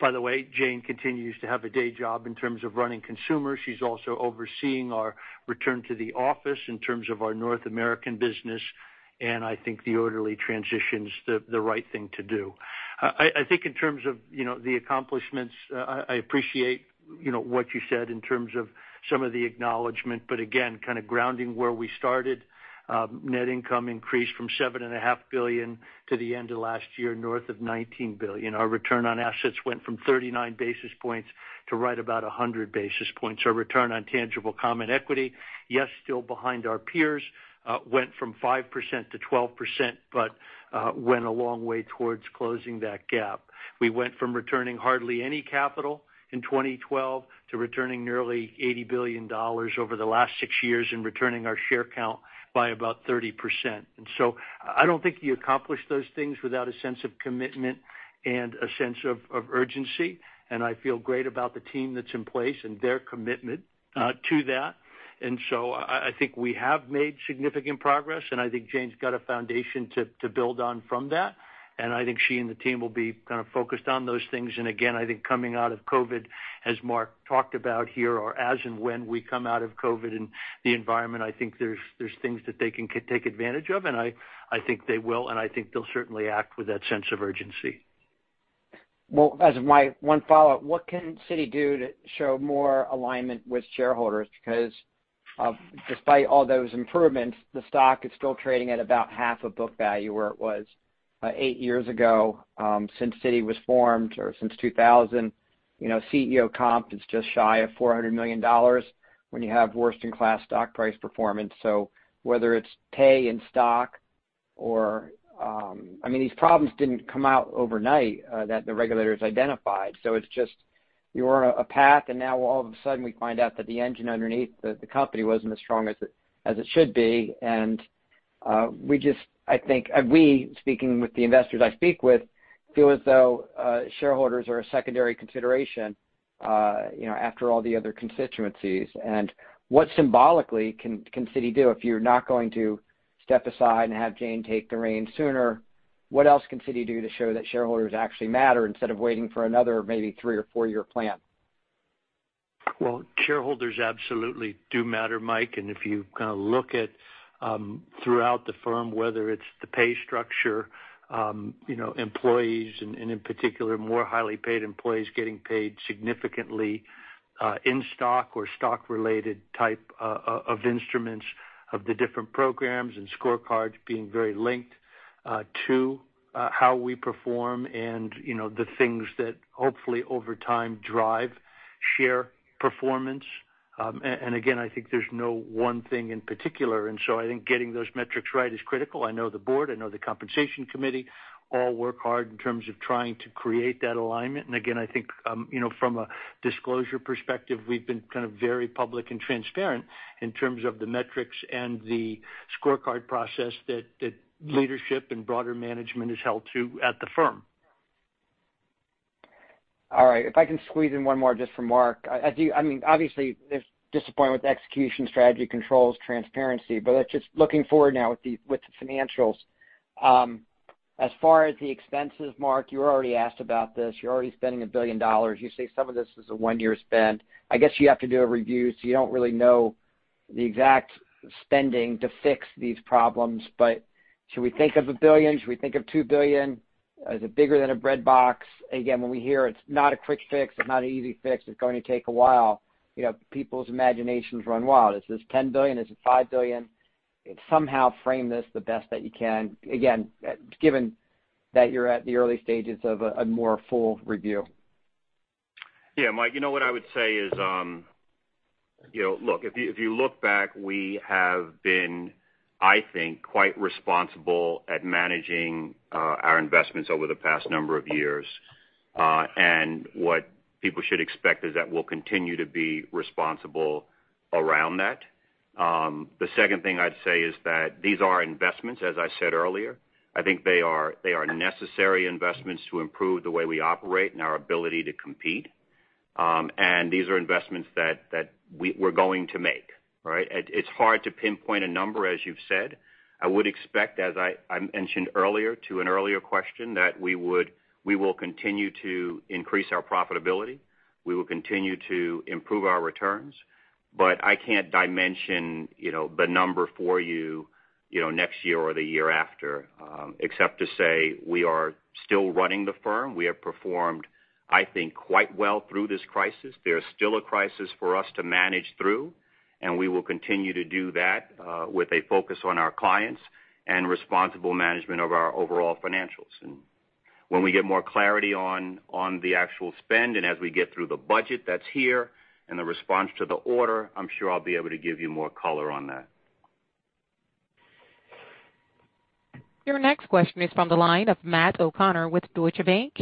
By the way, Jane continues to have a day job in terms of running consumer. She's also overseeing our return to the office in terms of our North American business, and I think the orderly transition's the right thing to do. I think in terms of the accomplishments, I appreciate what you said in terms of some of the acknowledgment, but again, kind of grounding where we started. Net income increased from $7.5 billion to the end of last year, north of $19 billion. Our return on assets went from 39 basis points to right about 100 basis points. Our return on tangible common equity, yes, still behind our peers, went from 5% to 12%, but went a long way towards closing that gap. We went from returning hardly any capital in 2012 to returning nearly $80 billion over the last six years, and returning our share count by about 30%. I don't think you accomplish those things without a sense of commitment and a sense of urgency. I feel great about the team that's in place and their commitment to that. I think we have made significant progress, and I think Jane's got a foundation to build on from that. I think she and the team will be kind of focused on those things. Again, I think coming out of COVID, as Mark talked about here, or as and when we come out of COVID and the environment, I think there's things that they can take advantage of, and I think they will, and I think they'll certainly act with that sense of urgency. Well, as my one follow-up, what can Citi do to show more alignment with shareholders? Despite all those improvements, the stock is still trading at about half of book value where it was eight years ago, since Citi was formed or since 2000. CEO comp is just shy of $400 million when you have worst-in-class stock price performance. Whether it's pay in stock, these problems didn't come out overnight, that the regulators identified. It's just, you're on a path, now all of a sudden, we find out that the engine underneath the company wasn't as strong as it should be. We just, we, speaking with the investors I speak with, feel as though shareholders are a secondary consideration after all the other constituencies. What symbolically can Citi do? If you're not going to step aside and have Jane take the reins sooner, what else can Citi do to show that shareholders actually matter instead of waiting for another maybe three or four-year plan? Well, shareholders absolutely do matter, Mike. If you kind of look at, throughout the firm, whether it's the pay structure, employees, and in particular, more highly paid employees getting paid significantly in stock or stock-related type of instruments, of the different programs and scorecards being very linked to how we perform and the things that hopefully over time drive share performance. Again, I think there's no one thing in particular, and so I think getting those metrics right is critical. I know the board, I know the compensation committee all work hard in terms of trying to create that alignment. Again, I think, from a disclosure perspective, we've been kind of very public and transparent in terms of the metrics and the scorecard process that leadership and broader management is held to at the firm. All right. If I can squeeze in one more just for Mark. Obviously, there's disappointment with execution, strategy, controls, transparency. Let's just looking forward now with the financials. As far as the expenses, Mark, you were already asked about this. You're already spending $1 billion. You say some of this is a one-year spend. I guess you have to do a review, so you don't really know the exact spending to fix these problems. Should we think of $1 billion? Should we think of $2 billion? Is it bigger than a breadbox? Again, when we hear it's not a quick fix, it's not an easy fix, it's going to take a while, people's imaginations run wild. Is this $10 billion? Is it $5 billion? Somehow frame this the best that you can. Again, given that you're at the early stages of a more full review. Mike, what I would say is, if you look back, we have been, I think, quite responsible at managing our investments over the past number of years. What people should expect is that we'll continue to be responsible around that. The second thing I'd say is that these are investments, as I said earlier. I think they are necessary investments to improve the way we operate and our ability to compete. These are investments that we're going to make. It's hard to pinpoint a number, as you've said. I would expect, as I mentioned earlier to an earlier question, that we will continue to increase our profitability. We will continue to improve our returns. I can't dimension the number for you, next year or the year after, except to say we are still running the firm. We have performed, I think, quite well through this crisis. There is still a crisis for us to manage through, and we will continue to do that, with a focus on our clients and responsible management of our overall financials. When we get more clarity on the actual spend, and as we get through the budget that's here and the response to the order, I'm sure I'll be able to give you more color on that. Your next question is from the line of Matt O'Connor with Deutsche Bank.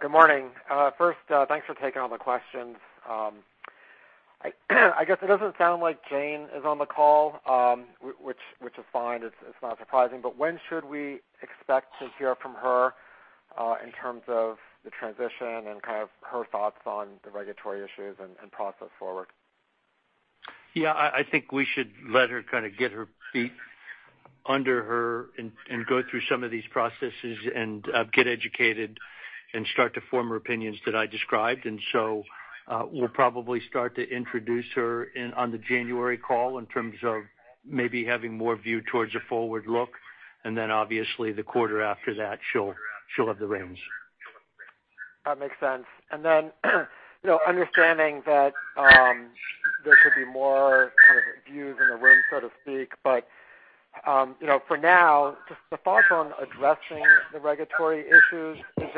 Good morning. First, thanks for taking all the questions. I guess it doesn't sound like Jane is on the call, which is fine. It's not surprising. When should we expect to hear from her, in terms of the transition and her thoughts on the regulatory issues and process forward? Yeah, I think we should let her get her feet under her and go through some of these processes and get educated and start to form her opinions that I described. We'll probably start to introduce her on the January call in terms of maybe having more view towards a forward look, and then obviously the quarter after that, she'll have the reins. That makes sense. Understanding that there could be more views in the room, so to speak. For now, just the thoughts on addressing the regulatory issues. Is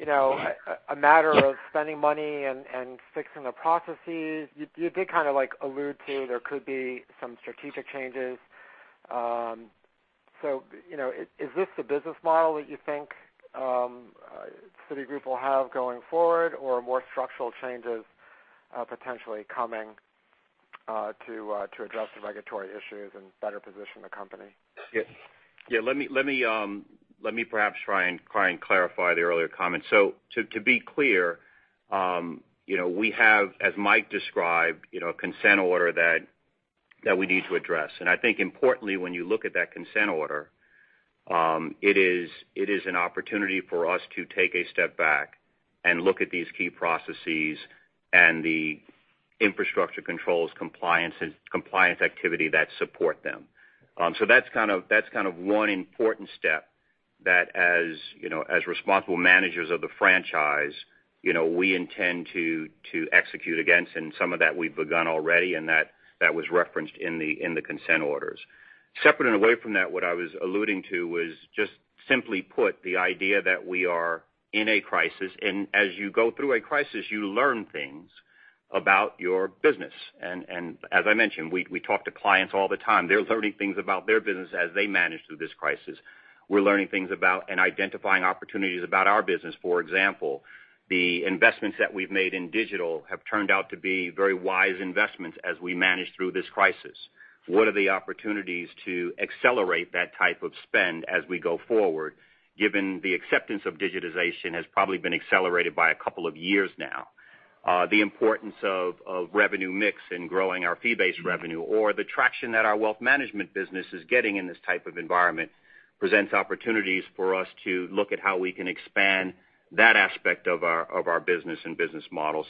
it a matter of spending money and fixing the processes? You did kind of allude to there could be some strategic changes. Is this the business model that you think Citigroup will have going forward, or more structural changes potentially coming to address the regulatory issues and better position the company? Yeah. Let me perhaps try and clarify the earlier comments. To be clear, we have, as Mike described, a consent order that we need to address. I think importantly, when you look at that consent order, it is an opportunity for us to take a step back and look at these key processes and the infrastructure controls compliance activity that support them. That's one important step that as responsible managers of the franchise, we intend to execute against, and some of that we've begun already, and that was referenced in the consent orders. Separate and away from that, what I was alluding to was just simply put, the idea that we are in a crisis. As you go through a crisis, you learn things about your business. As I mentioned, we talk to clients all the time. They're learning things about their business as they manage through this crisis. We're learning things about and identifying opportunities about our business. For example, the investments that we've made in digital have turned out to be very wise investments as we manage through this crisis. What are the opportunities to accelerate that type of spend as we go forward, given the acceptance of digitization has probably been accelerated by a couple of years now? The importance of revenue mix in growing our fee-based revenue, or the traction that our Wealth Management business is getting in this type of environment presents opportunities for us to look at how we can expand that aspect of our business and business model.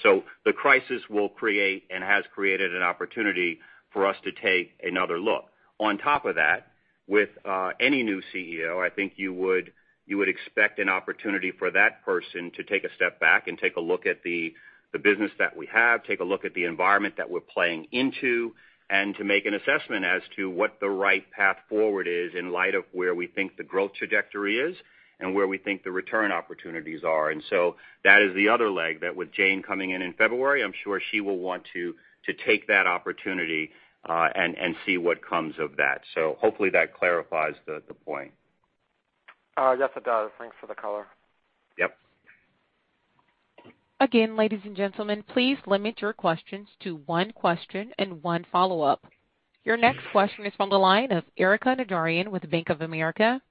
The crisis will create and has created an opportunity for us to take another look. On top of that, with any new CEO, I think you would expect an opportunity for that person to take a step back and take a look at the business that we have, take a look at the environment that we're playing into, and to make an assessment as to what the right path forward is in light of where we think the growth trajectory is and where we think the return opportunities are. That is the other leg, that with Jane coming in in February, I'm sure she will want to take that opportunity, and see what comes of that. Hopefully that clarifies the point. Yes, it does. Thanks for the color. Yep. Again, ladies and gentlemen, please limit your questions to one question and one follow-up. Your next question is from the line of Erika Najarian with Bank of America.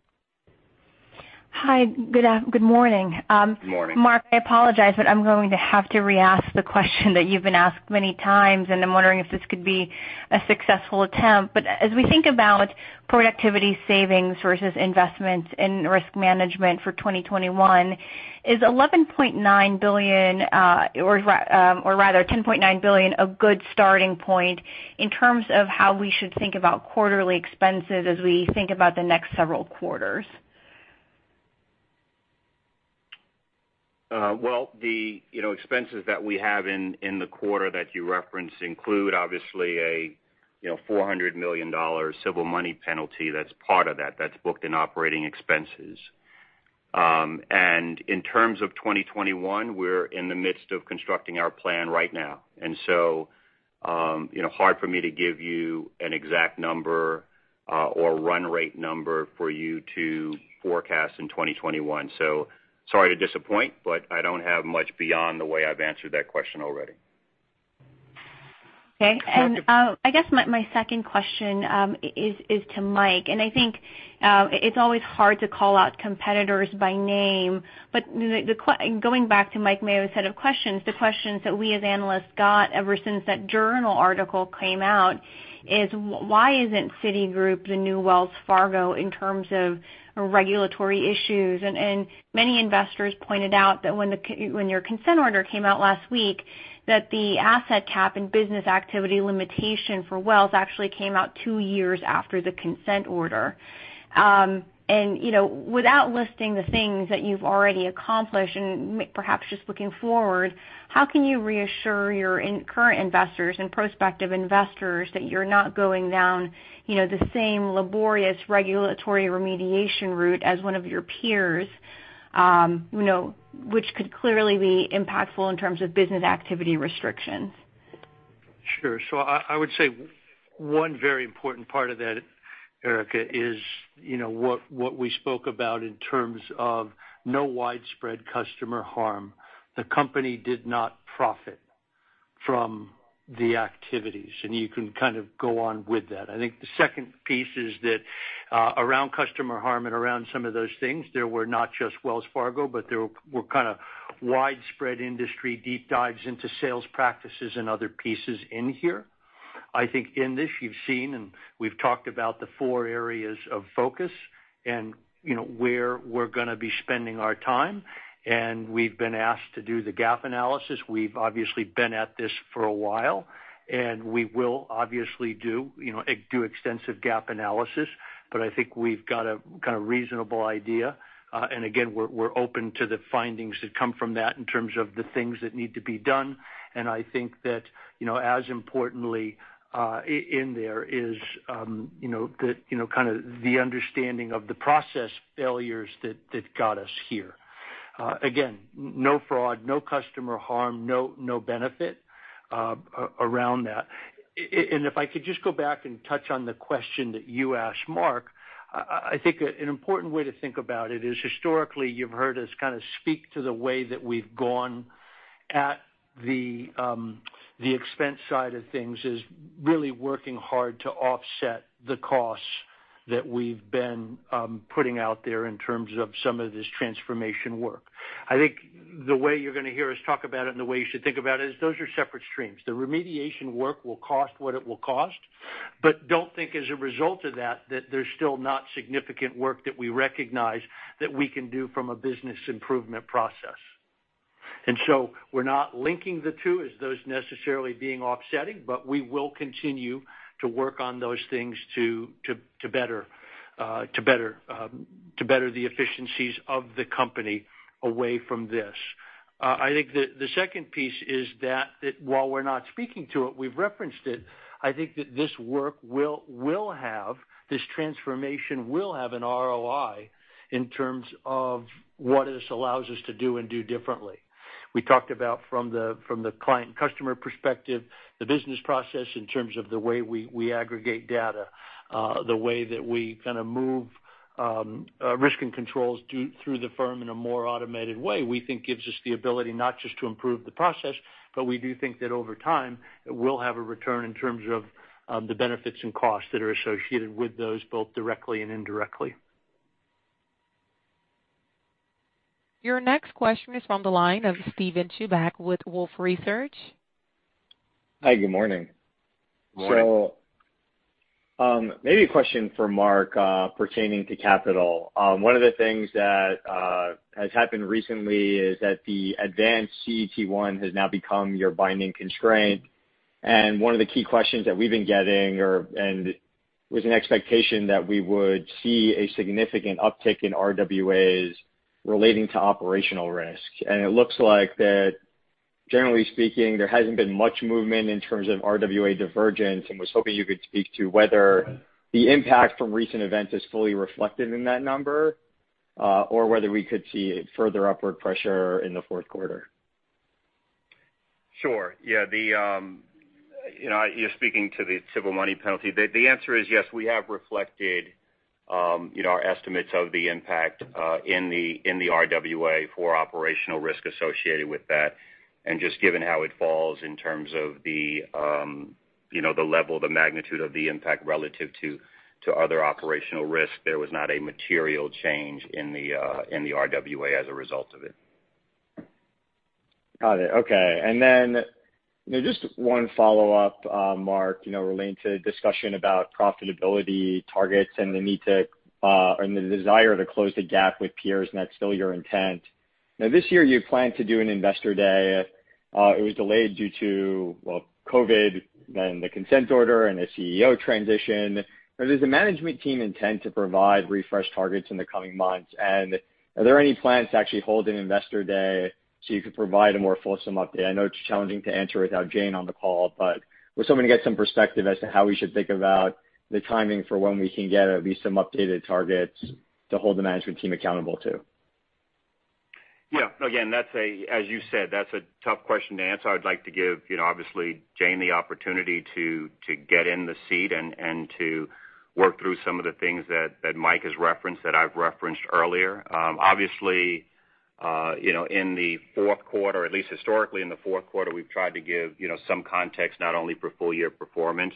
Hi. Good morning. Morning. Mark, I apologize, but I'm going to have to re-ask the question that you've been asked many times, and I'm wondering if this could be a successful attempt. As we think about productivity savings versus investments in risk management for 2021, is $11.9 billion, or rather $10.9 billion, a good starting point in terms of how we should think about quarterly expenses as we think about the next several quarters? Well, the expenses that we have in the quarter that you referenced include obviously a $400 million civil money penalty that's part of that's booked in operating expenses. In terms of 2021, we're in the midst of constructing our plan right now. Hard for me to give you an exact number or run rate number for you to forecast in 2021. Sorry to disappoint, but I don't have much beyond the way I've answered that question already. Okay. I guess my second question is to Mike. I think it's always hard to call out competitors by name, but going back to Mike Mayo's set of questions, the questions that we as analysts got ever since that journal article came out is, why isn't Citigroup the new Wells Fargo in terms of regulatory issues? Many investors pointed out that when your consent order came out last week, that the asset cap and business activity limitation for Wells actually came out two years after the consent order. Without listing the things that you've already accomplished and perhaps just looking forward, how can you reassure your current investors and prospective investors that you're not going down the same laborious regulatory remediation route as one of your peers which could clearly be impactful in terms of business activity restrictions? Sure. I would say one very important part of that, Erika, is what we spoke about in terms of no widespread customer harm. The company did not profit from the activities, and you can kind of go on with that. I think the second piece is that around customer harm and around some of those things, there were not just Wells Fargo, but there were kind of widespread industry deep dives into sales practices and other pieces in here. I think in this, you've seen, and we've talked about the four areas of focus and where we're going to be spending our time, and we've been asked to do the gap analysis. We've obviously been at this for a while, and we will obviously do extensive gap analysis, but I think we've got a kind of reasonable idea. Again, we're open to the findings that come from that in terms of the things that need to be done. I think that as importantly, in there is the understanding of the process failures that got us here. Again, no fraud, no customer harm, no benefit around that. If I could just go back and touch on the question that you asked Mark, I think an important way to think about it is historically, you've heard us kind of speak to the way that we've gone at the expense side of things is really working hard to offset the costs that we've been putting out there in terms of some of this transformation work. I think the way you're going to hear us talk about it and the way you should think about it is those are separate streams. The remediation work will cost what it will cost, but don't think as a result of that there's still not significant work that we recognize that we can do from a business improvement process. We're not linking the two as those necessarily being offsetting, but we will continue to work on those things to better the efficiencies of the company away from this. I think the second piece is that while we're not speaking to it, we've referenced it. I think that this transformation will have an ROI in terms of what this allows us to do and do differently. We talked about from the client and customer perspective, the business process in terms of the way we aggregate data, the way that we kind of move risk and controls through the firm in a more automated way, we think gives us the ability not just to improve the process, but we do think that over time, it will have a return in terms of the benefits and costs that are associated with those, both directly and indirectly. Your next question is from the line of Steven Chubak with Wolfe Research. Hi, good morning. Morning. Maybe a question for Mark pertaining to capital. One of the things that has happened recently is that the advanced CET1 has now become your binding constraint. One of the key questions that we've been getting, and with an expectation that we would see a significant uptick in RWAs relating to operational risk. It looks like that, generally speaking, there hasn't been much movement in terms of RWA divergence and was hoping you could speak to whether the impact from recent events is fully reflected in that number, or whether we could see further upward pressure in the fourth quarter. Sure. Yeah. You're speaking to the civil money penalty. The answer is yes, we have reflected our estimates of the impact in the RWA for operational risk associated with that. Just given how it falls in terms of the level, the magnitude of the impact relative to other operational risk, there was not a material change in the RWA as a result of it. Got it. Okay. Then, just one follow-up, Mark Mason, relating to discussion about profitability targets and the need to, or the desire to close the gap with peers, that's still your intent. This year, you plan to do an investor day. It was delayed due to COVID-19, then the consent order, and a Chief Executive Officer transition. Does the management team intend to provide refreshed targets in the coming months? Are there any plans to actually hold an investor day so you could provide a more fulsome update? I know it's challenging to answer without Jane Fraser on the call, we're hoping to get some perspective as to how we should think about the timing for when we can get at least some updated targets to hold the management team accountable to. Yeah. Again, as you said, that's a tough question to answer. I'd like to give, obviously, Jane the opportunity to get in the seat and to work through some of the things that Mike has referenced, that I've referenced earlier. Obviously, in the fourth quarter, at least historically in the fourth quarter, we've tried to give some context, not only for full-year performance,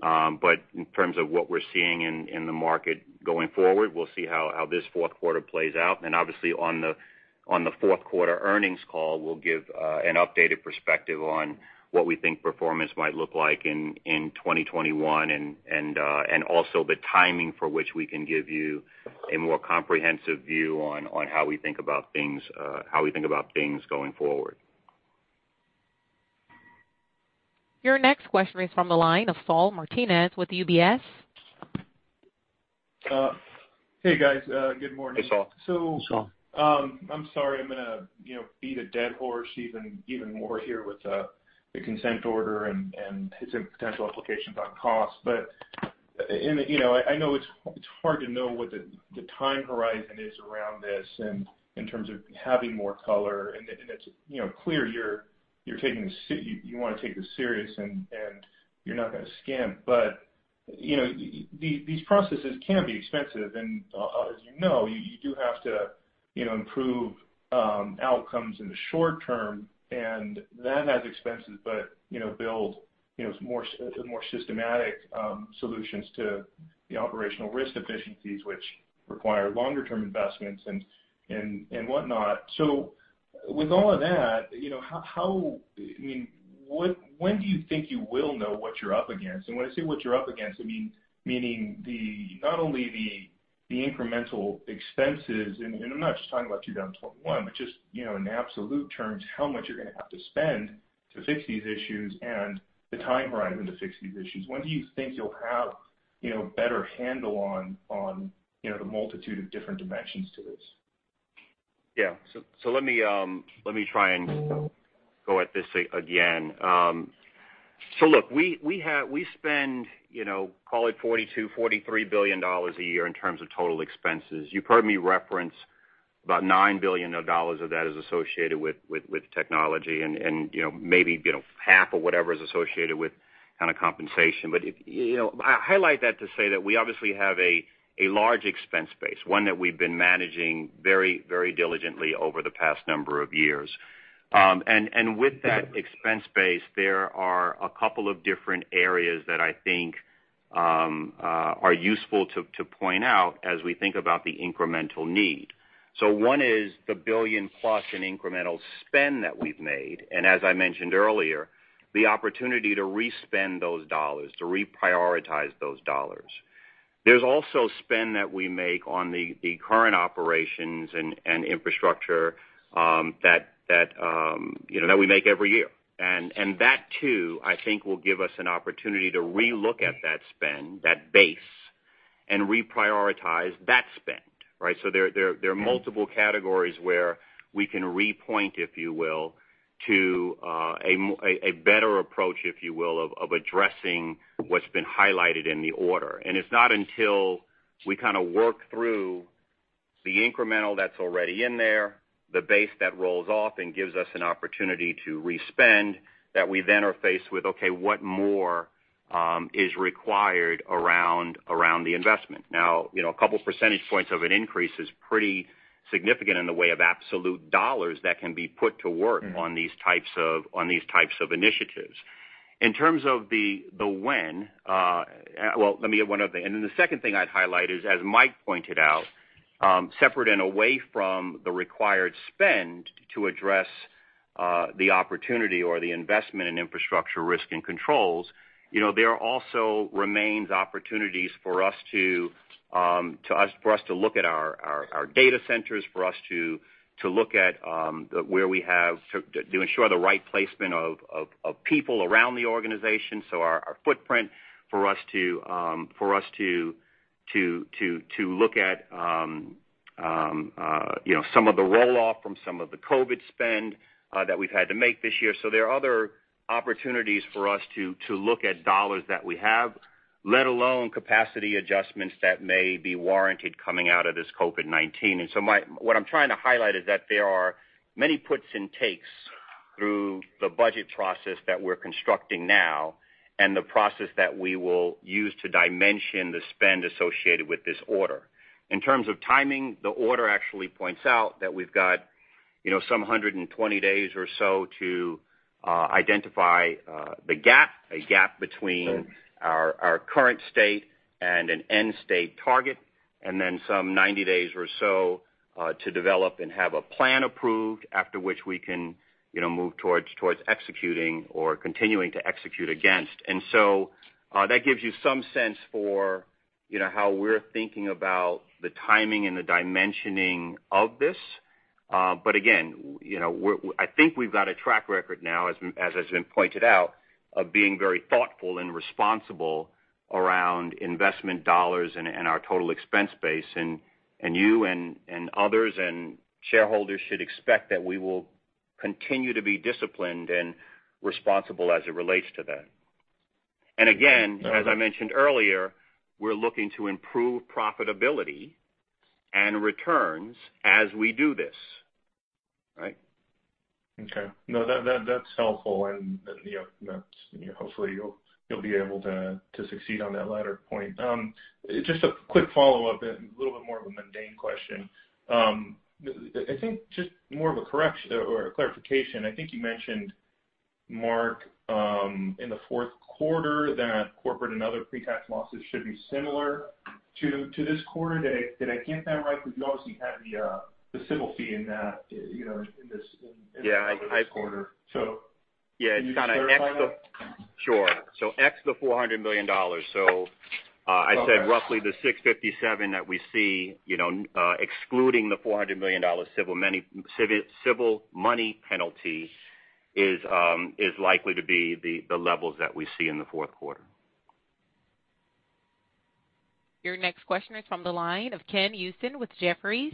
but in terms of what we're seeing in the market going forward. We'll see how this fourth quarter plays out. Obviously on the fourth quarter earnings call, we'll give an updated perspective on what we think performance might look like in 2021, and also the timing for which we can give you a more comprehensive view on how we think about things going forward. Your next question is from the line of Saul Martinez with UBS. Hey, guys. Good morning. Hey, Saul. So- Hey, Saul. I'm sorry, I'm going to beat a dead horse even more here with the consent order and its potential implications on cost. I know it's hard to know what the time horizon is around this in terms of having more color, and it's clear you want to take this serious and you're not going to skimp. These processes can be expensive, and as you know, you do have to improve outcomes in the short term, and that has expenses, but build more systematic solutions to the operational risk efficiencies which require longer term investments and what not. With all of that, when do you think you will know what you're up against? When I say what you're up against, meaning not only the incremental expenses, and I'm not just talking about 2021, but just in absolute terms, how much you're going to have to spend to fix these issues and the time horizon to fix these issues. When do you think you'll have a better handle on the multitude of different dimensions to this? Yeah. Let me try and go at this again. Look, we spend, call it $42 billion, $43 billion a year in terms of total expenses. You've heard me reference about $9 billion of that is associated with technology and maybe half or whatever is associated with compensation. I highlight that to say that we obviously have a large expense base, one that we've been managing very diligently over the past number of years. With that expense base, there are a couple of different areas that I think are useful to point out as we think about the incremental need. One is the billion-plus in incremental spend that we've made, and as I mentioned earlier, the opportunity to re-spend those dollars, to reprioritize those dollars. There's also spend that we make on the current operations and infrastructure that we make every year. That too, I think will give us an opportunity to relook at that spend, that base, and reprioritize that spend. Right. So there are multiple categories where we can repoint, if you will, to a better approach, if you will, of addressing what's been highlighted in the order. It's not until we work through the incremental that's already in there, the base that rolls off and gives us an opportunity to re-spend, that we then are faced with, okay, what more is required around the investment. Now, a couple percentage points of an increase is pretty significant in the way of absolute dollars that can be put to work on these types of initiatives. In terms of the when, well, let me give one other thing. The second thing I'd highlight is, as Mike pointed out, separate and away from the required spend to address the opportunity or the investment in infrastructure risk and controls, there also remains opportunities for us to look at our data centers, for us to look at where we have to ensure the right placement of people around the organization, so our footprint. For us to look at some of the roll-off from some of the COVID spend that we've had to make this year. There are other opportunities for us to look at dollars that we have, let alone capacity adjustments that may be warranted coming out of this COVID-19. What I'm trying to highlight is that there are many puts and takes through the budget process that we're constructing now and the process that we will use to dimension the spend associated with this order. In terms of timing, the order actually points out that we've got some 120 days or so to identify the gap, a gap between our current state and an end state target, and then some 90 days or so to develop and have a plan approved, after which we can move towards executing or continuing to execute against. That gives you some sense for, you know, how we're thinking about the timing and the dimensioning of this. Again, I think we've got a track record now, as has been pointed out, of being very thoughtful and responsible around investment dollars and our total expense base. You and others and shareholders should expect that we will continue to be disciplined and responsible as it relates to that. Again, as I mentioned earlier, we're looking to improve profitability and returns as we do this. Right? Okay. No, that's helpful. Hopefully you'll be able to succeed on that latter point. Just a quick follow-up and a little bit more of a mundane question. I think just more of a correction or a clarification. I think you mentioned, Mark, in the fourth quarter that corporate and other pre-tax losses should be similar to this quarter. Did I get that right? You obviously had the civil fee in that, in this quarter. Yeah. Can you just clarify that? Sure. Ex the $400 million. I said roughly the $657 that we see, excluding the $400 million civil money penalty is likely to be the levels that we see in the fourth quarter. Your next question is from the line of Ken Usdin with Jefferies.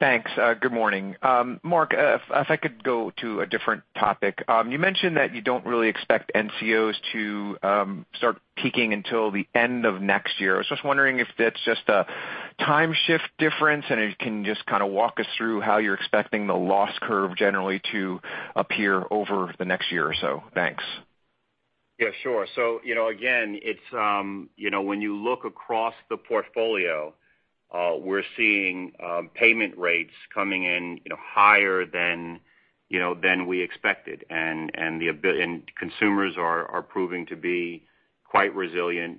Thanks. Good morning. Mark, if I could go to a different topic. You mentioned that you don't really expect NCOs to start peaking until the end of next year. I was just wondering if that's just a time shift difference, and if you can just kind of walk us through how you're expecting the loss curve generally to appear over the next year or so. Thanks. Yeah, sure. Again, when you look across the portfolio, we're seeing payment rates coming in higher than we expected. Consumers are proving to be quite resilient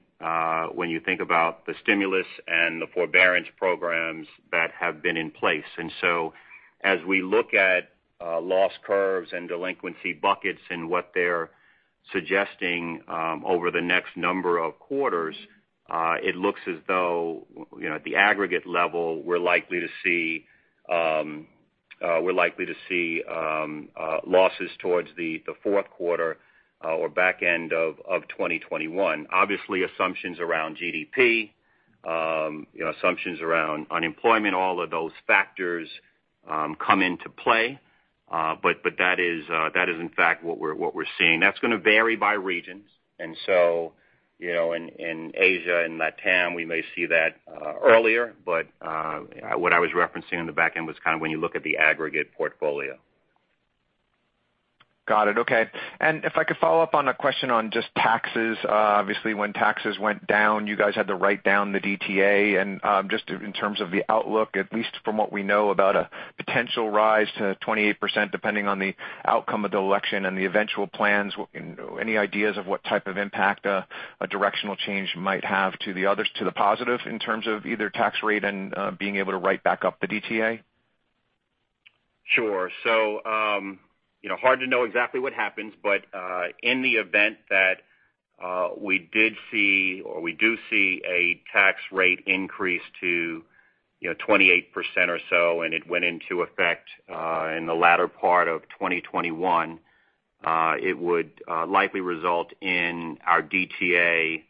when you think about the stimulus and the forbearance programs that have been in place. As we look at loss curves and delinquency buckets and what they're suggesting over the next number of quarters, it looks as though at the aggregate level, we're likely to see losses towards the fourth quarter or back end of 2021. Obviously, assumptions around GDP, assumptions around unemployment, all of those factors come into play. That is in fact what we're seeing. That's going to vary by regions. In Asia and LATAM, we may see that earlier. What I was referencing on the back end was kind of when you look at the aggregate portfolio. Got it. Okay. If I could follow up on a question on just taxes. Obviously, when taxes went down, you guys had to write down the DTA. Just in terms of the outlook, at least from what we know about a potential rise to 28%, depending on the outcome of the election and the eventual plans, any ideas of what type of impact a directional change might have to the others to the positive in terms of either tax rate and being able to write back up the DTA? Sure. Hard to know exactly what happens, but in the event that we did see, or we do see a tax rate increase to 28% or so, and it went into effect in the latter part of 2021, it would likely result in our DTA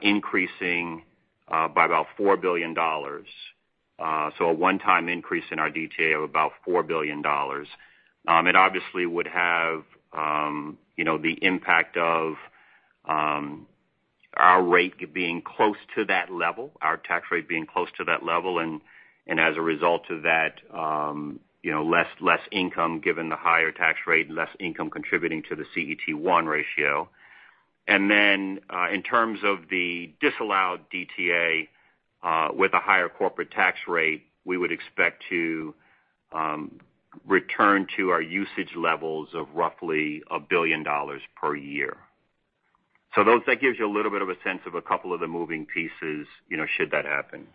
increasing by about $4 billion. A one-time increase in our DTA of about $4 billion. It obviously would have the impact of our rate being close to that level, our tax rate being close to that level, and as a result of that, less income given the higher tax rate and less income contributing to the CET1 ratio. In terms of the disallowed DTA with a higher corporate tax rate, we would expect to return to our usage levels of roughly $1 billion per year. That gives you a little bit of a sense of a couple of the moving pieces should that happen.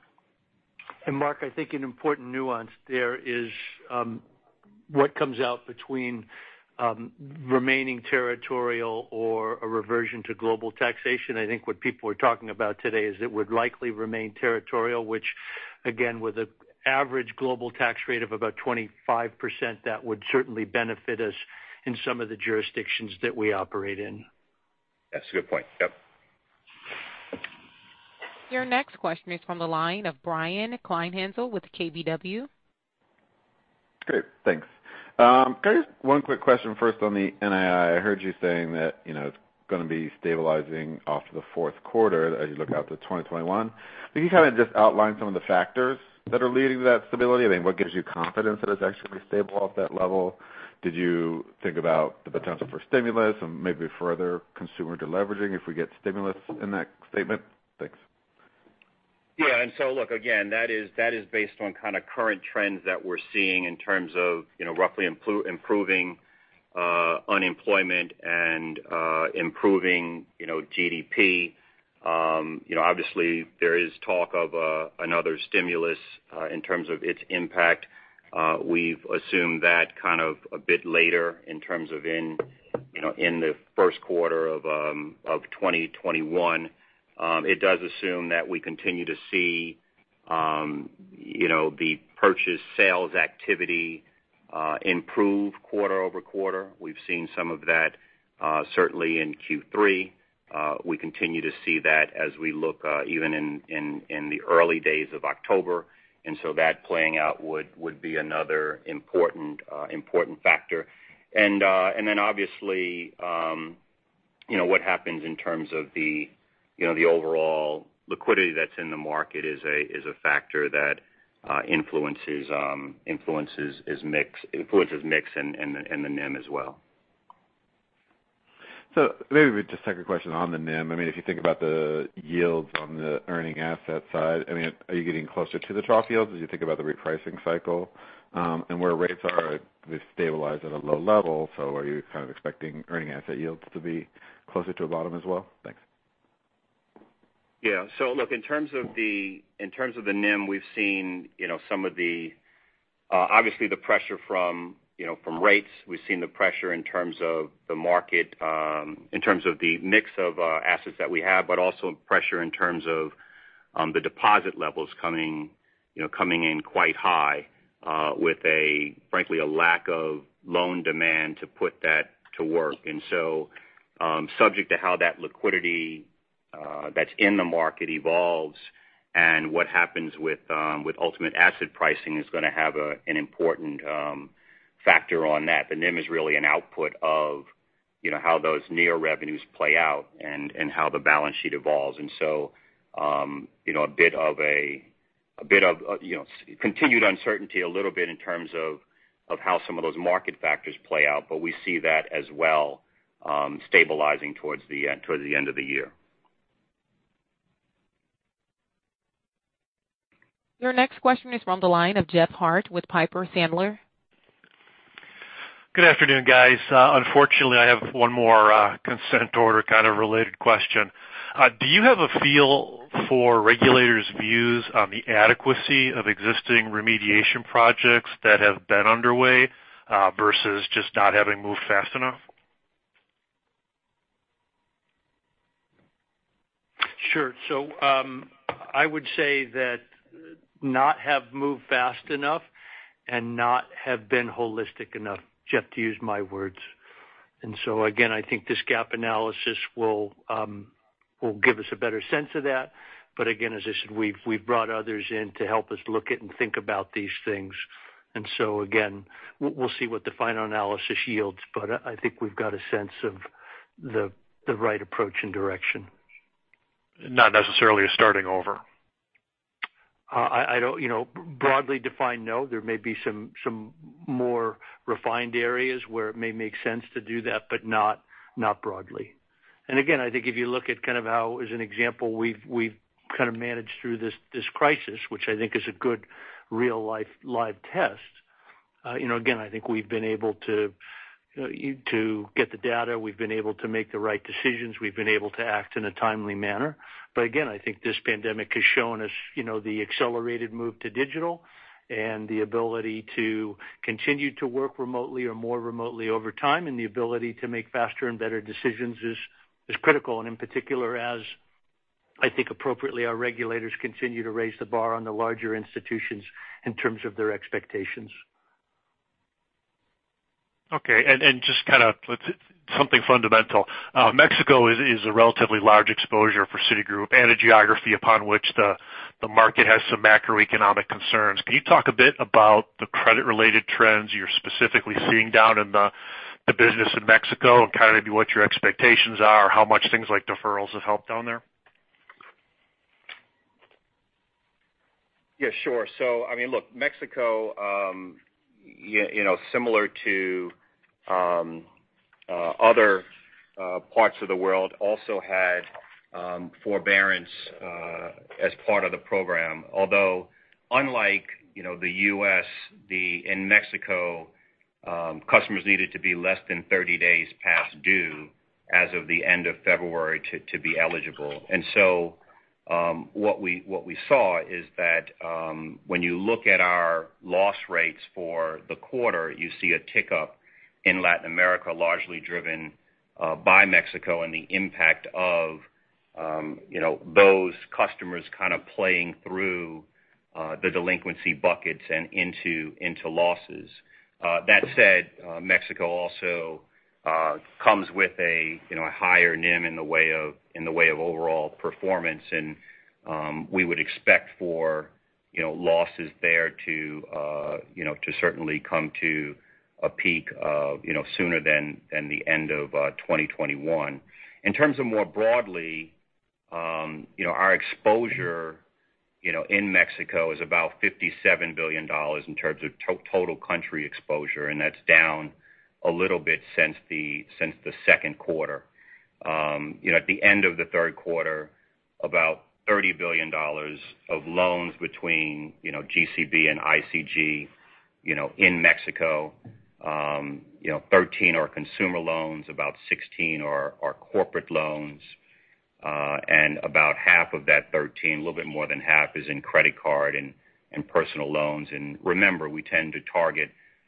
Mark, I think an important nuance there is what comes out between remaining territorial or a reversion to global taxation. What people are talking about today is it would likely remain territorial, which again, with an average global tax rate of about 25%, that would certainly benefit us in some of the jurisdictions that we operate in. That's a good point. Yep. Your next question is from the line of Brian Kleinhanzl with KBW. Great. Thanks. Can I just one quick question first on the NII. I heard you saying that it's going to be stabilizing off the fourth quarter as you look out to 2021. Can you kind of just outline some of the factors that are leading to that stability? I mean, what gives you confidence that it's actually going to be stable off that level? Did you think about the potential for stimulus and maybe further consumer de-leveraging if we get stimulus in that statement? Thanks. Yeah. Look, again, that is based on kind of current trends that we're seeing in terms of roughly improving unemployment and improving GDP. Obviously, there is talk of another stimulus in terms of its impact. We've assumed that kind of a bit later in terms of in the first quarter of 2021. It does assume that we continue to see the purchase sales activity improve quarter-over-quarter. We've seen some of that certainly in Q3. We continue to see that as we look even in the early days of October. That playing out would be another important factor. Obviously, what happens in terms of the overall liquidity that's in the market is a factor that influences mix, and the NIM as well. Maybe we just take a question on the NIM. If you think about the yields on the earning asset side, are you getting closer to the trough yields as you think about the repricing cycle? Where rates are, they've stabilized at a low level, are you kind of expecting earning asset yields to be closer to a bottom as well? Thanks. Look, in terms of the NIM, we've seen obviously the pressure from rates. We've seen the pressure in terms of the market, in terms of the mix of assets that we have, also pressure in terms of the deposit levels coming in quite high, with frankly a lack of loan demand to put that to work. Subject to how that liquidity that's in the market evolves and what happens with ultimate asset pricing is going to have an important factor on that. The NIM is really an output of how those NIR revenues play out and how the balance sheet evolves. A bit of continued uncertainty a little bit in terms of how some of those market factors play out. We see that as well stabilizing towards the end of the year. Your next question is from the line of Jeff Harte with Piper Sandler. Good afternoon, guys. Unfortunately, I have one more consent order kind of related question. Do you have a feel for regulators' views on the adequacy of existing remediation projects that have been underway, versus just not having moved fast enough? Sure. I would say that not have moved fast enough and not have been holistic enough, Jeff, to use my words. Again, I think this gap analysis will give us a better sense of that. Again, as I said, we've brought others in to help us look at and think about these things. Again, we'll see what the final analysis yields, but I think we've got a sense of the right approach and direction. Not necessarily a starting over. Broadly defined, no. There may be some more refined areas where it may make sense to do that, but not broadly. Again, I think if you look at kind of how, as an example, we've kind of managed through this crisis, which I think is a good real live test. Again, I think we've been able to get the data. We've been able to make the right decisions. We've been able to act in a timely manner. Again, I think this pandemic has shown us the accelerated move to digital and the ability to continue to work remotely or more remotely over time, and the ability to make faster and better decisions is critical. In particular, as I think appropriately, our regulators continue to raise the bar on the larger institutions in terms of their expectations. Okay, just kind of something fundamental. Mexico is a relatively large exposure for Citigroup and a geography upon which the market has some macroeconomic concerns. Can you talk a bit about the credit-related trends you're specifically seeing down in the business in Mexico and kind of maybe what your expectations are, how much things like deferrals have helped down there? Yeah, sure. Look, Mexico, similar to other parts of the world, also had forbearance as part of the program. Although, unlike the U.S., in Mexico, customers needed to be less than 30 days past due as of the end of February to be eligible. What we saw is that when you look at our loss rates for the quarter, you see a tick up in Latin America, largely driven by Mexico and the impact of those customers kind of playing through the delinquency buckets and into losses. That said, Mexico also comes with a higher NIM in the way of overall performance, and we would expect for losses there to certainly come to a peak sooner than the end of 2021. In terms of more broadly, our exposure in Mexico is about $57 billion in terms of total country exposure, and that's down a little bit since the second quarter. At the end of the third quarter, about $30 billion of loans between GCB and ICG in Mexico, 13 are consumer loans, about 16 are corporate loans. And about half of that 13, a little bit more than half, is in credit card and personal loans. Remember, we tend to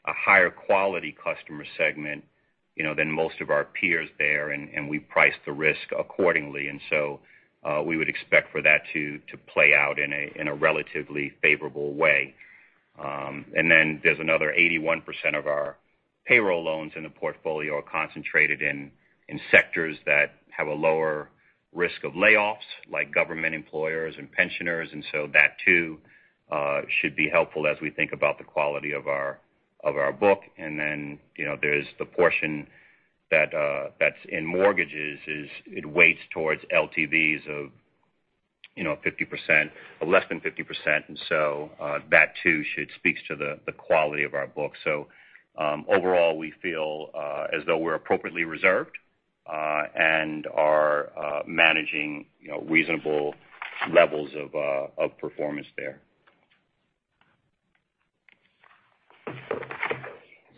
target a higher quality customer segment than most of our peers there, and we price the risk accordingly. So we would expect for that to play out in a relatively favorable way. Then there's another 81% of our payroll loans in the portfolio are concentrated in sectors that have a lower risk of layoffs, like government employers and pensioners. That too should be helpful as we think about the quality of our book. Then there's the portion that's in mortgages, it weighs towards LTVs of 50% or less than 50%. That too speaks to the quality of our book. Overall, we feel as though we're appropriately reserved and are managing reasonable levels of performance there.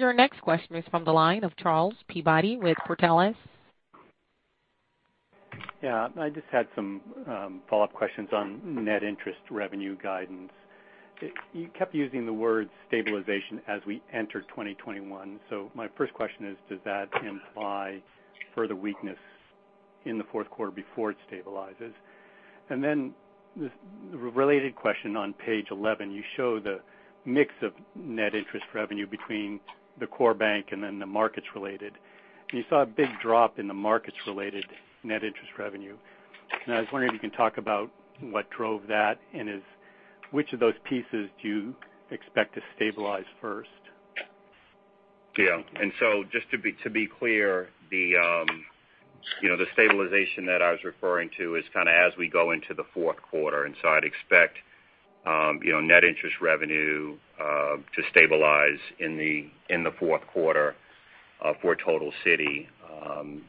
Your next question is from the line of Charles Peabody with Portales. Yeah. I just had some follow-up questions on net interest revenue guidance. You kept using the word stabilization as we enter 2021. My first question is, does that imply further weakness in the fourth quarter before it stabilizes? The related question on page 11, you show the mix of net interest revenue between the core bank and then the markets related. You saw a big drop in the markets related net interest revenue. I was wondering if you can talk about what drove that, and which of those pieces do you expect to stabilize first? Yeah. Just to be clear, the stabilization that I was referring to is kind of as we go into the fourth quarter. I'd expect net interest revenue to stabilize in the fourth quarter for total Citi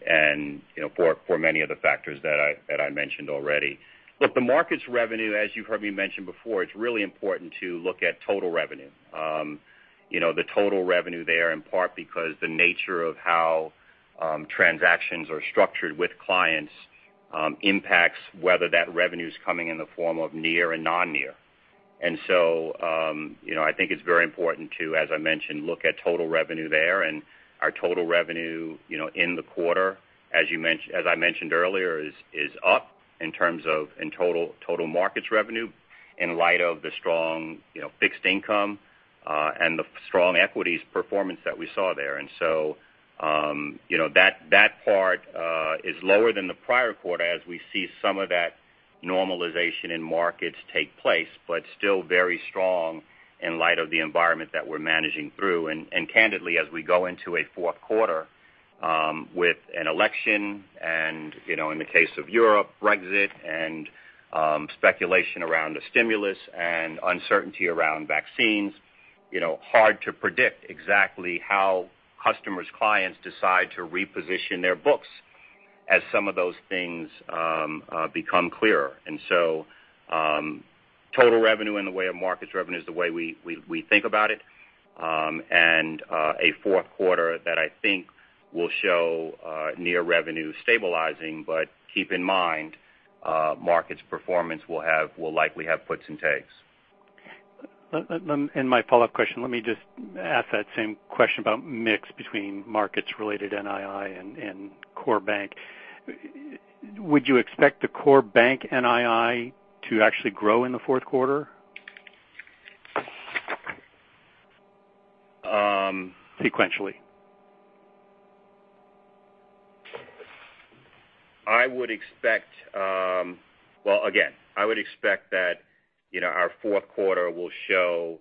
and for many of the factors that I mentioned already. Look, the markets revenue, as you've heard me mention before, it's really important to look at total revenue. The total revenue there, in part because the nature of how transactions are structured with clients impacts whether that revenue is coming in the form of NII and non-NII. I think it's very important to, as I mentioned, look at total revenue there. Our total revenue in the quarter, as I mentioned earlier, is up in terms of total markets revenue in light of the strong fixed income and the strong equities performance that we saw there. That part is lower than the prior quarter as we see some of that normalization in markets take place, but still very strong in light of the environment that we're managing through. Candidly, as we go into a fourth quarter with an election and, in the case of Europe, Brexit and speculation around a stimulus and uncertainty around vaccines, hard to predict exactly how customers, clients decide to reposition their books as some of those things become clearer. Total revenue in the way of markets revenue is the way we think about it. A fourth quarter that I think will show near revenue stabilizing. Keep in mind, markets performance will likely have puts and takes. My follow-up question, let me just ask that same question about mix between markets related NII and core bank. Would you expect the core bank NII to actually grow in the fourth quarter, sequentially? Well, again, I would expect that our fourth quarter will show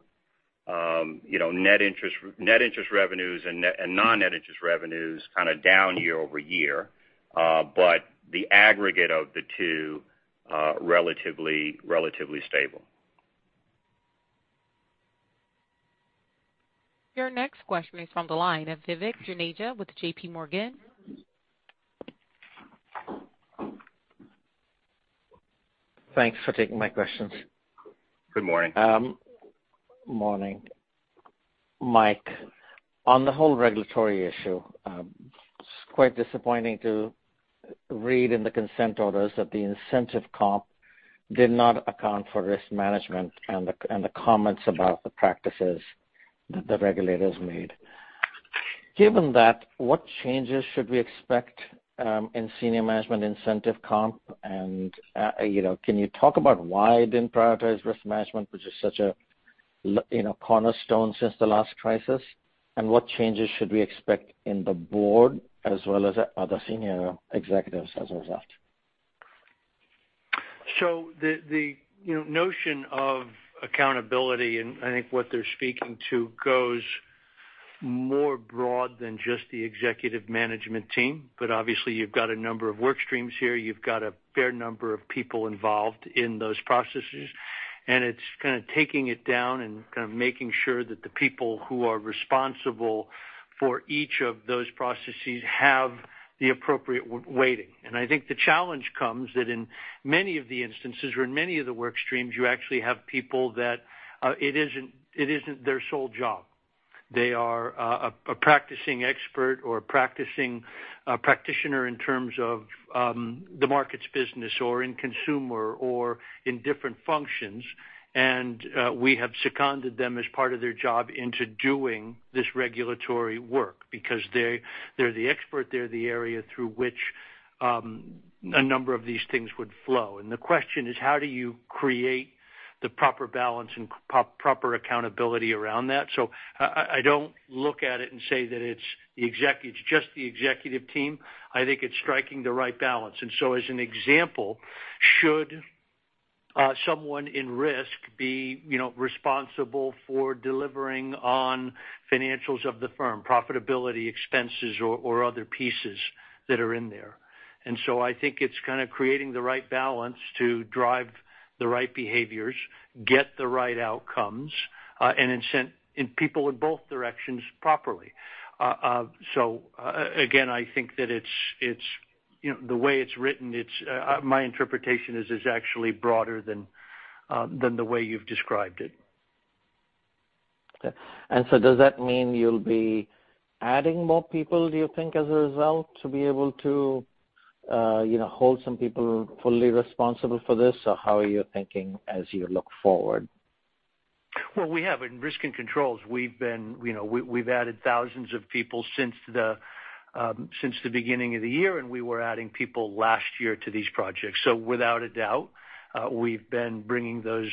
net interest revenues and non-net interest revenues kind of down year-over-year. The aggregate of the two, relatively stable. Your next question is from the line of Vivek Juneja with JPMorgan. Thanks for taking my questions. Good morning. Morning. Mike, on the whole regulatory issue, it's quite disappointing to read in the consent orders that the incentive comp did not account for risk management and the comments about the practices that the regulators made. Given that, what changes should we expect in senior management incentive comp? Can you talk about why it didn't prioritize risk management, which is such a cornerstone since the last crisis? What changes should we expect in the board as well as other senior executives as a result? The notion of accountability, and I think what they're speaking to, goes more broad than just the executive management team. Obviously you've got a number of work streams here. You've got a fair number of people involved in those processes, and it's kind of taking it down and kind of making sure that the people who are responsible for each of those processes have the appropriate weighting. I think the challenge comes that in many of the instances or in many of the work streams, you actually have people that it isn't their sole job. They are a practicing expert or a practitioner in terms of the markets business or in consumer, or in different functions. We have seconded them as part of their job into doing this regulatory work because they're the expert, they're the area through which a number of these things would flow. The question is, how do you create the proper balance and proper accountability around that? I don't look at it and say that it's just the executive team. I think it's striking the right balance. As an example, should someone in risk be responsible for delivering on financials of the firm, profitability, expenses, or other pieces that are in there? I think it's kind of creating the right balance to drive the right behaviors, get the right outcomes, and incent people in both directions properly. Again, I think that the way it's written, my interpretation is it's actually broader than the way you've described it. Okay. Does that mean you'll be adding more people, do you think, as a result, to be able to hold some people fully responsible for this? Or how are you thinking as you look forward? Well, we have. In risk and controls, we've added thousands of people since the beginning of the year, and we were adding people last year to these projects. Without a doubt, we've been bringing those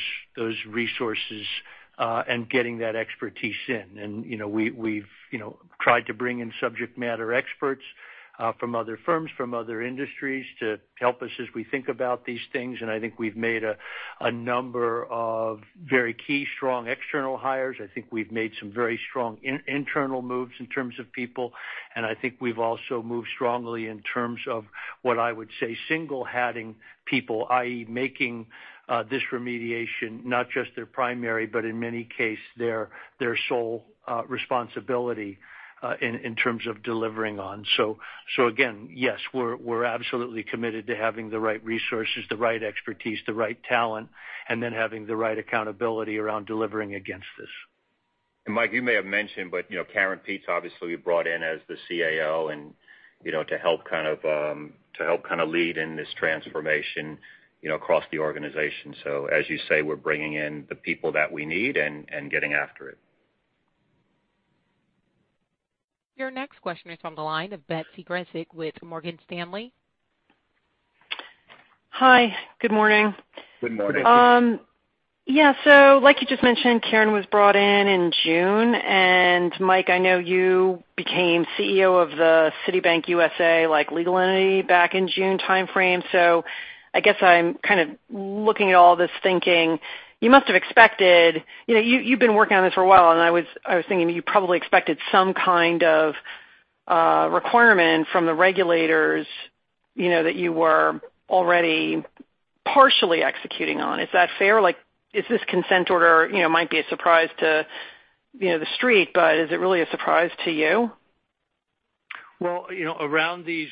resources, and getting that expertise in. We've tried to bring in subject matter experts from other firms, from other industries to help us as we think about these things. I think we've made a number of very key strong external hires. I think we've made some very strong internal moves in terms of people, and I think we've also moved strongly in terms of what I would say, single-hatting people, i.e., making this remediation not just their primary, but in many case, their sole responsibility in terms of delivering on. Again, yes, we're absolutely committed to having the right resources, the right expertise, the right talent, and then having the right accountability around delivering against this. Mike, you may have mentioned, but Karen Peetz, obviously, you brought in as the CAO, and to help kind of lead in this transformation across the organization. As you say, we're bringing in the people that we need and getting after it. Your next question is on the line of Betsy Graseck with Morgan Stanley. Hi, good morning. Good morning. Like you just mentioned, Karen was brought in in June, and Mike, I know you became CEO of the Citibank USA, like legal entity back in June timeframe. I guess I'm kind of looking at all this thinking, you must have expected you've been working on this for a while, and I was thinking you probably expected some kind of requirement from the regulators, that you were already partially executing on. Is that fair? Like, is this consent order, might be a surprise to the street, but is it really a surprise to you? Well, around these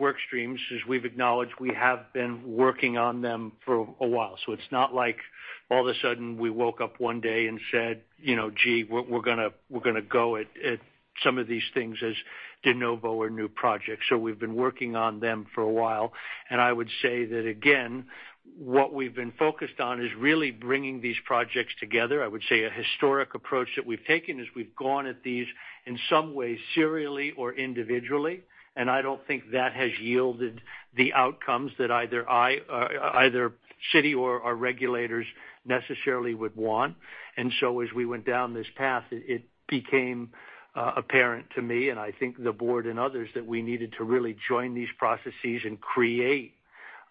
work streams, as we've acknowledged, we have been working on them for a while. It's not like all of a sudden we woke up one day and said, "Gee, we're gonna go at some of these things as de novo or new projects." We've been working on them for a while, and I would say that, again, what we've been focused on is really bringing these projects together. I would say a historic approach that we've taken is we've gone at these in some ways serially or individually, and I don't think that has yielded the outcomes that either Citi or our regulators necessarily would want. As we went down this path, it became apparent to me, and I think the board and others, that we needed to really join these processes and create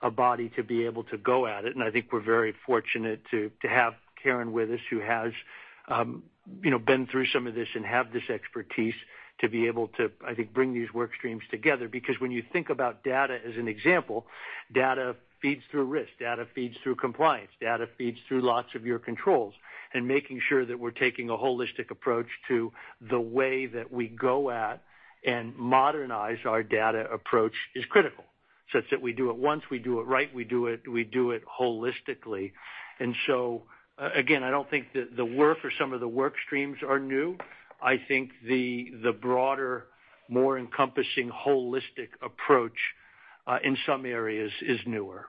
a body to be able to go at it. I think we're very fortunate to have Karen with us, who has been through some of this and have this expertise to be able to, I think, bring these work streams together. When you think about data as an example, data feeds through risk, data feeds through compliance, data feeds through lots of your controls. Making sure that we're taking a holistic approach to the way that we go at and modernize our data approach is critical, such that we do it once, we do it right, we do it holistically. Again, I don't think that the work or some of the work streams are new. I think the broader, more encompassing, holistic approach, in some areas, is newer.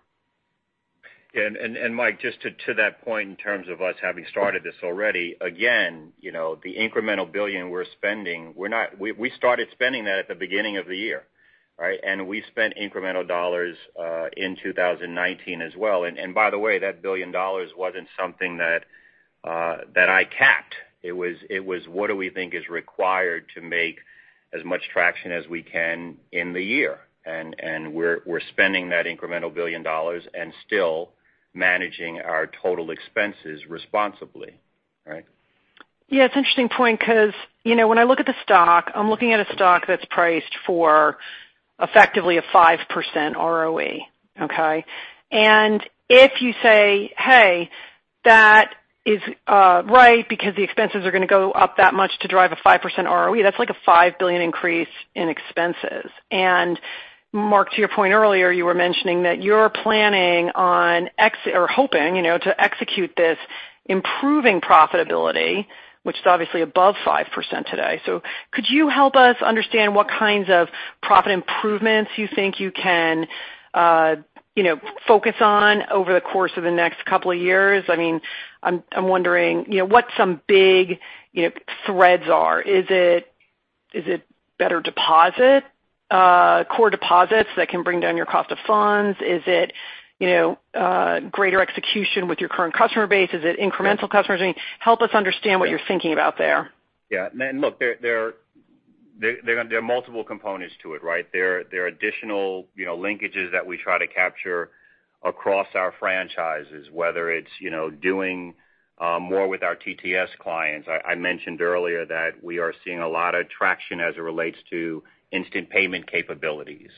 Yeah. Mike, just to that point, in terms of us having started this already, again, the incremental $1 billion we're spending, we started spending that at the beginning of the year, right? We spent incremental dollars in 2019 as well. By the way, that $1 billion wasn't something that I capped. It was what do we think is required to make as much traction as we can in the year. We're spending that incremental $1 billion and still managing our total expenses responsibly, right? Yeah, it's an interesting point because, when I look at the stock, I'm looking at a stock that's priced for effectively a 5% ROE, okay? If you say, "Hey, that is right, because the expenses are going to go up that much to drive a 5% ROE," that's like a $5 billion increase in expenses. Mark, to your point earlier, you were mentioning that you're planning on or hoping to execute this improving profitability, which is obviously above 5% today. Could you help us understand what kinds of profit improvements you think you can focus on over the course of the next couple of years? I'm wondering what some big threads are. Is it better core deposits that can bring down your cost of funds? Is it greater execution with your current customer base? Is it incremental customers? Help us understand what you're thinking about there. Yeah. Look, there are multiple components to it, right? There are additional linkages that we try to capture across our franchises, whether it's doing more with our TTS clients. I mentioned earlier that we are seeing a lot of traction as it relates to instant payment capabilities.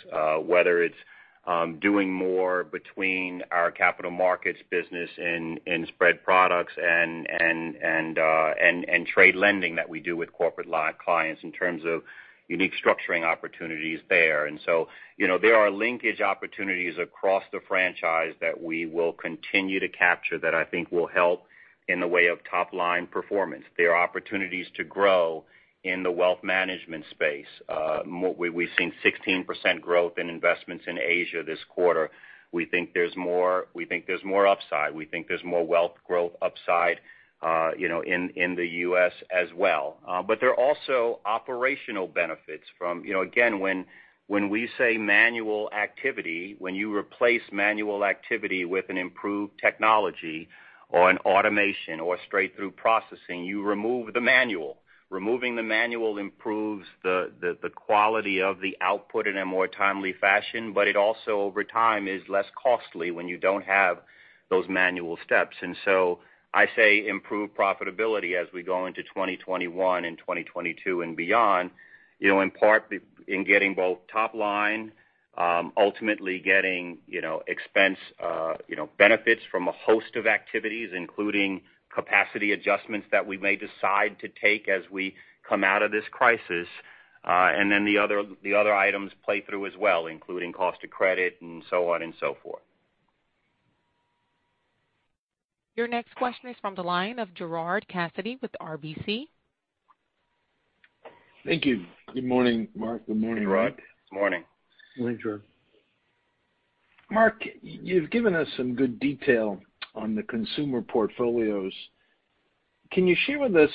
Whether it's doing more between our capital markets business and spread products and trade lending that we do with corporate clients in terms of unique structuring opportunities there. There are linkage opportunities across the franchise that we will continue to capture that I think will help in the way of top-line performance. There are opportunities to grow in the wealth management space. We've seen 16% growth in investments in Asia this quarter. We think there's more upside. We think there's more wealth growth upside in the U.S. as well. There are also operational benefits from Again, when we say manual activity, when you replace manual activity with an improved technology or an automation or a straight-through processing, you remove the manual. Removing the manual improves the quality of the output in a more timely fashion, but it also, over time, is less costly when you don't have those manual steps. I say improve profitability as we go into 2021 and 2022 and beyond, in part in getting both top line, ultimately getting expense benefits from a host of activities, including capacity adjustments that we may decide to take as we come out of this crisis. The other items play through as well, including cost of credit and so on and so forth. Your next question is from the line of Gerard Cassidy with RBC. Thank you. Good morning, Mark. Good morning, Mike. Gerard, good morning. Morning, Gerard. Mark, you've given us some good detail on the consumer portfolios. Can you share with us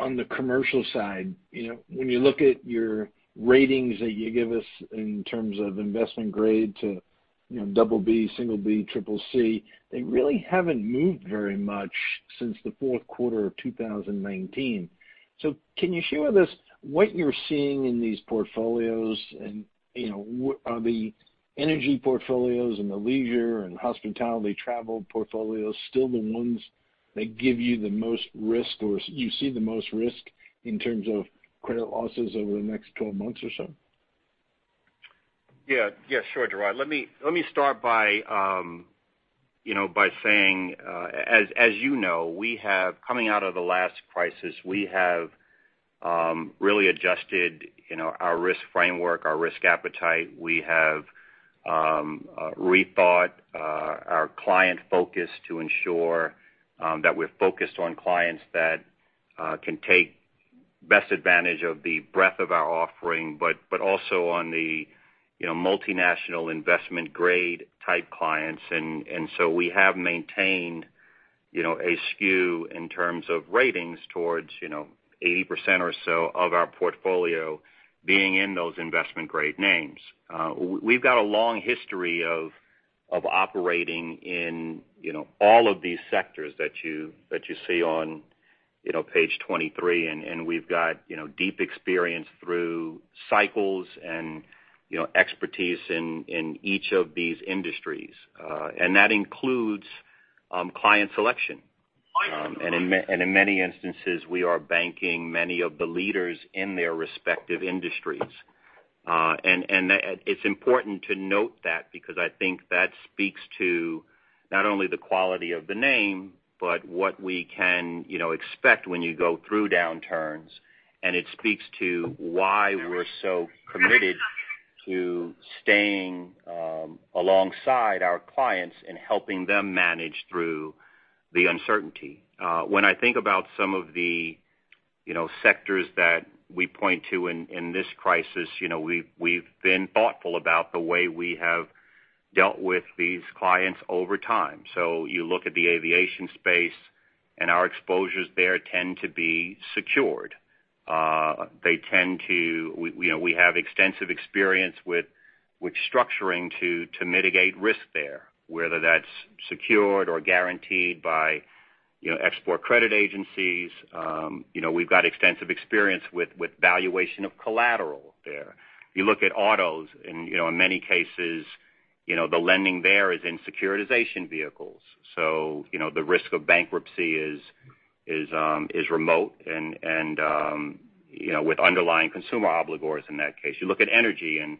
on the commercial side, when you look at your ratings that you give us in terms of investment grade to BB, B, CCC, they really haven't moved very much since the fourth quarter of 2019. Can you share with us what you're seeing in these portfolios, and are the energy portfolios and the leisure and hospitality travel portfolios still the ones that give you the most risk, or you see the most risk in terms of credit losses over the next 12 months or so? Sure, Gerard. Let me start by saying, as you know, coming out of the last crisis, we have really adjusted our risk framework, our risk appetite. We have rethought our client focus to ensure that we're focused on clients that can take best advantage of the breadth of our offering, but also on the multinational investment grade type clients. We have maintained a skew in terms of ratings towards 80% or so of our portfolio being in those investment grade names. We've got a long history of operating in all of these sectors that you see on page 23, and we've got deep experience through cycles and expertise in each of these industries. That includes client selection. In many instances, we are banking many of the leaders in their respective industries. It's important to note that because I think that speaks to not only the quality of the name, but what we can expect when you go through downturns. It speaks to why we're so committed to staying alongside our clients and helping them manage through the uncertainty. When I think about some of the sectors that we point to in this crisis, we've been thoughtful about the way we have dealt with these clients over time. You look at the aviation space, and our exposures there tend to be secured. We have extensive experience with structuring to mitigate risk there, whether that's secured or guaranteed by export credit agencies. We've got extensive experience with valuation of collateral there. If you look at autos, in many cases, the lending there is in securitization vehicles. The risk of bankruptcy is remote, and with underlying consumer obligors in that case. You look at energy, and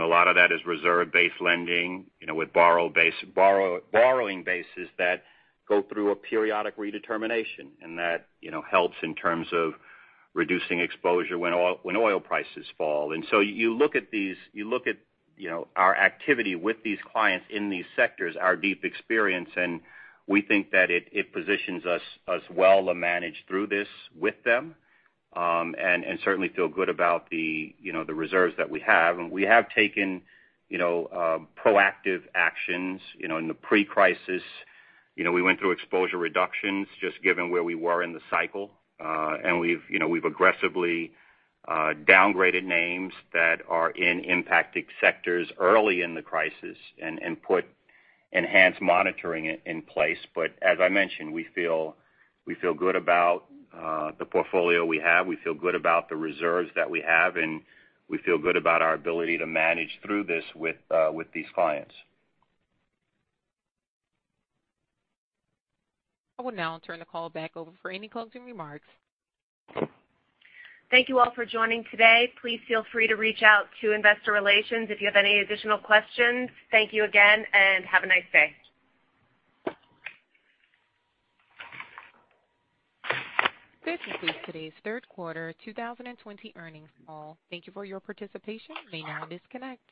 a lot of that is reserve-based lending with borrowing bases that go through a periodic redetermination, and that helps in terms of reducing exposure when oil prices fall. You look at our activity with these clients in these sectors, our deep experience, and we think that it positions us well to manage through this with them. Certainly feel good about the reserves that we have. We have taken proactive actions in the pre-crisis. We went through exposure reductions just given where we were in the cycle. We've aggressively downgraded names that are in impacted sectors early in the crisis and put enhanced monitoring in place. As I mentioned, we feel good about the portfolio we have. We feel good about the reserves that we have, and we feel good about our ability to manage through this with these clients. I will now turn the call back over for any closing remarks. Thank you all for joining today. Please feel free to reach out to investor relations if you have any additional questions. Thank you again, and have a nice day. This concludes today's third quarter 2020 earnings call. Thank you for your participation. You may now disconnect.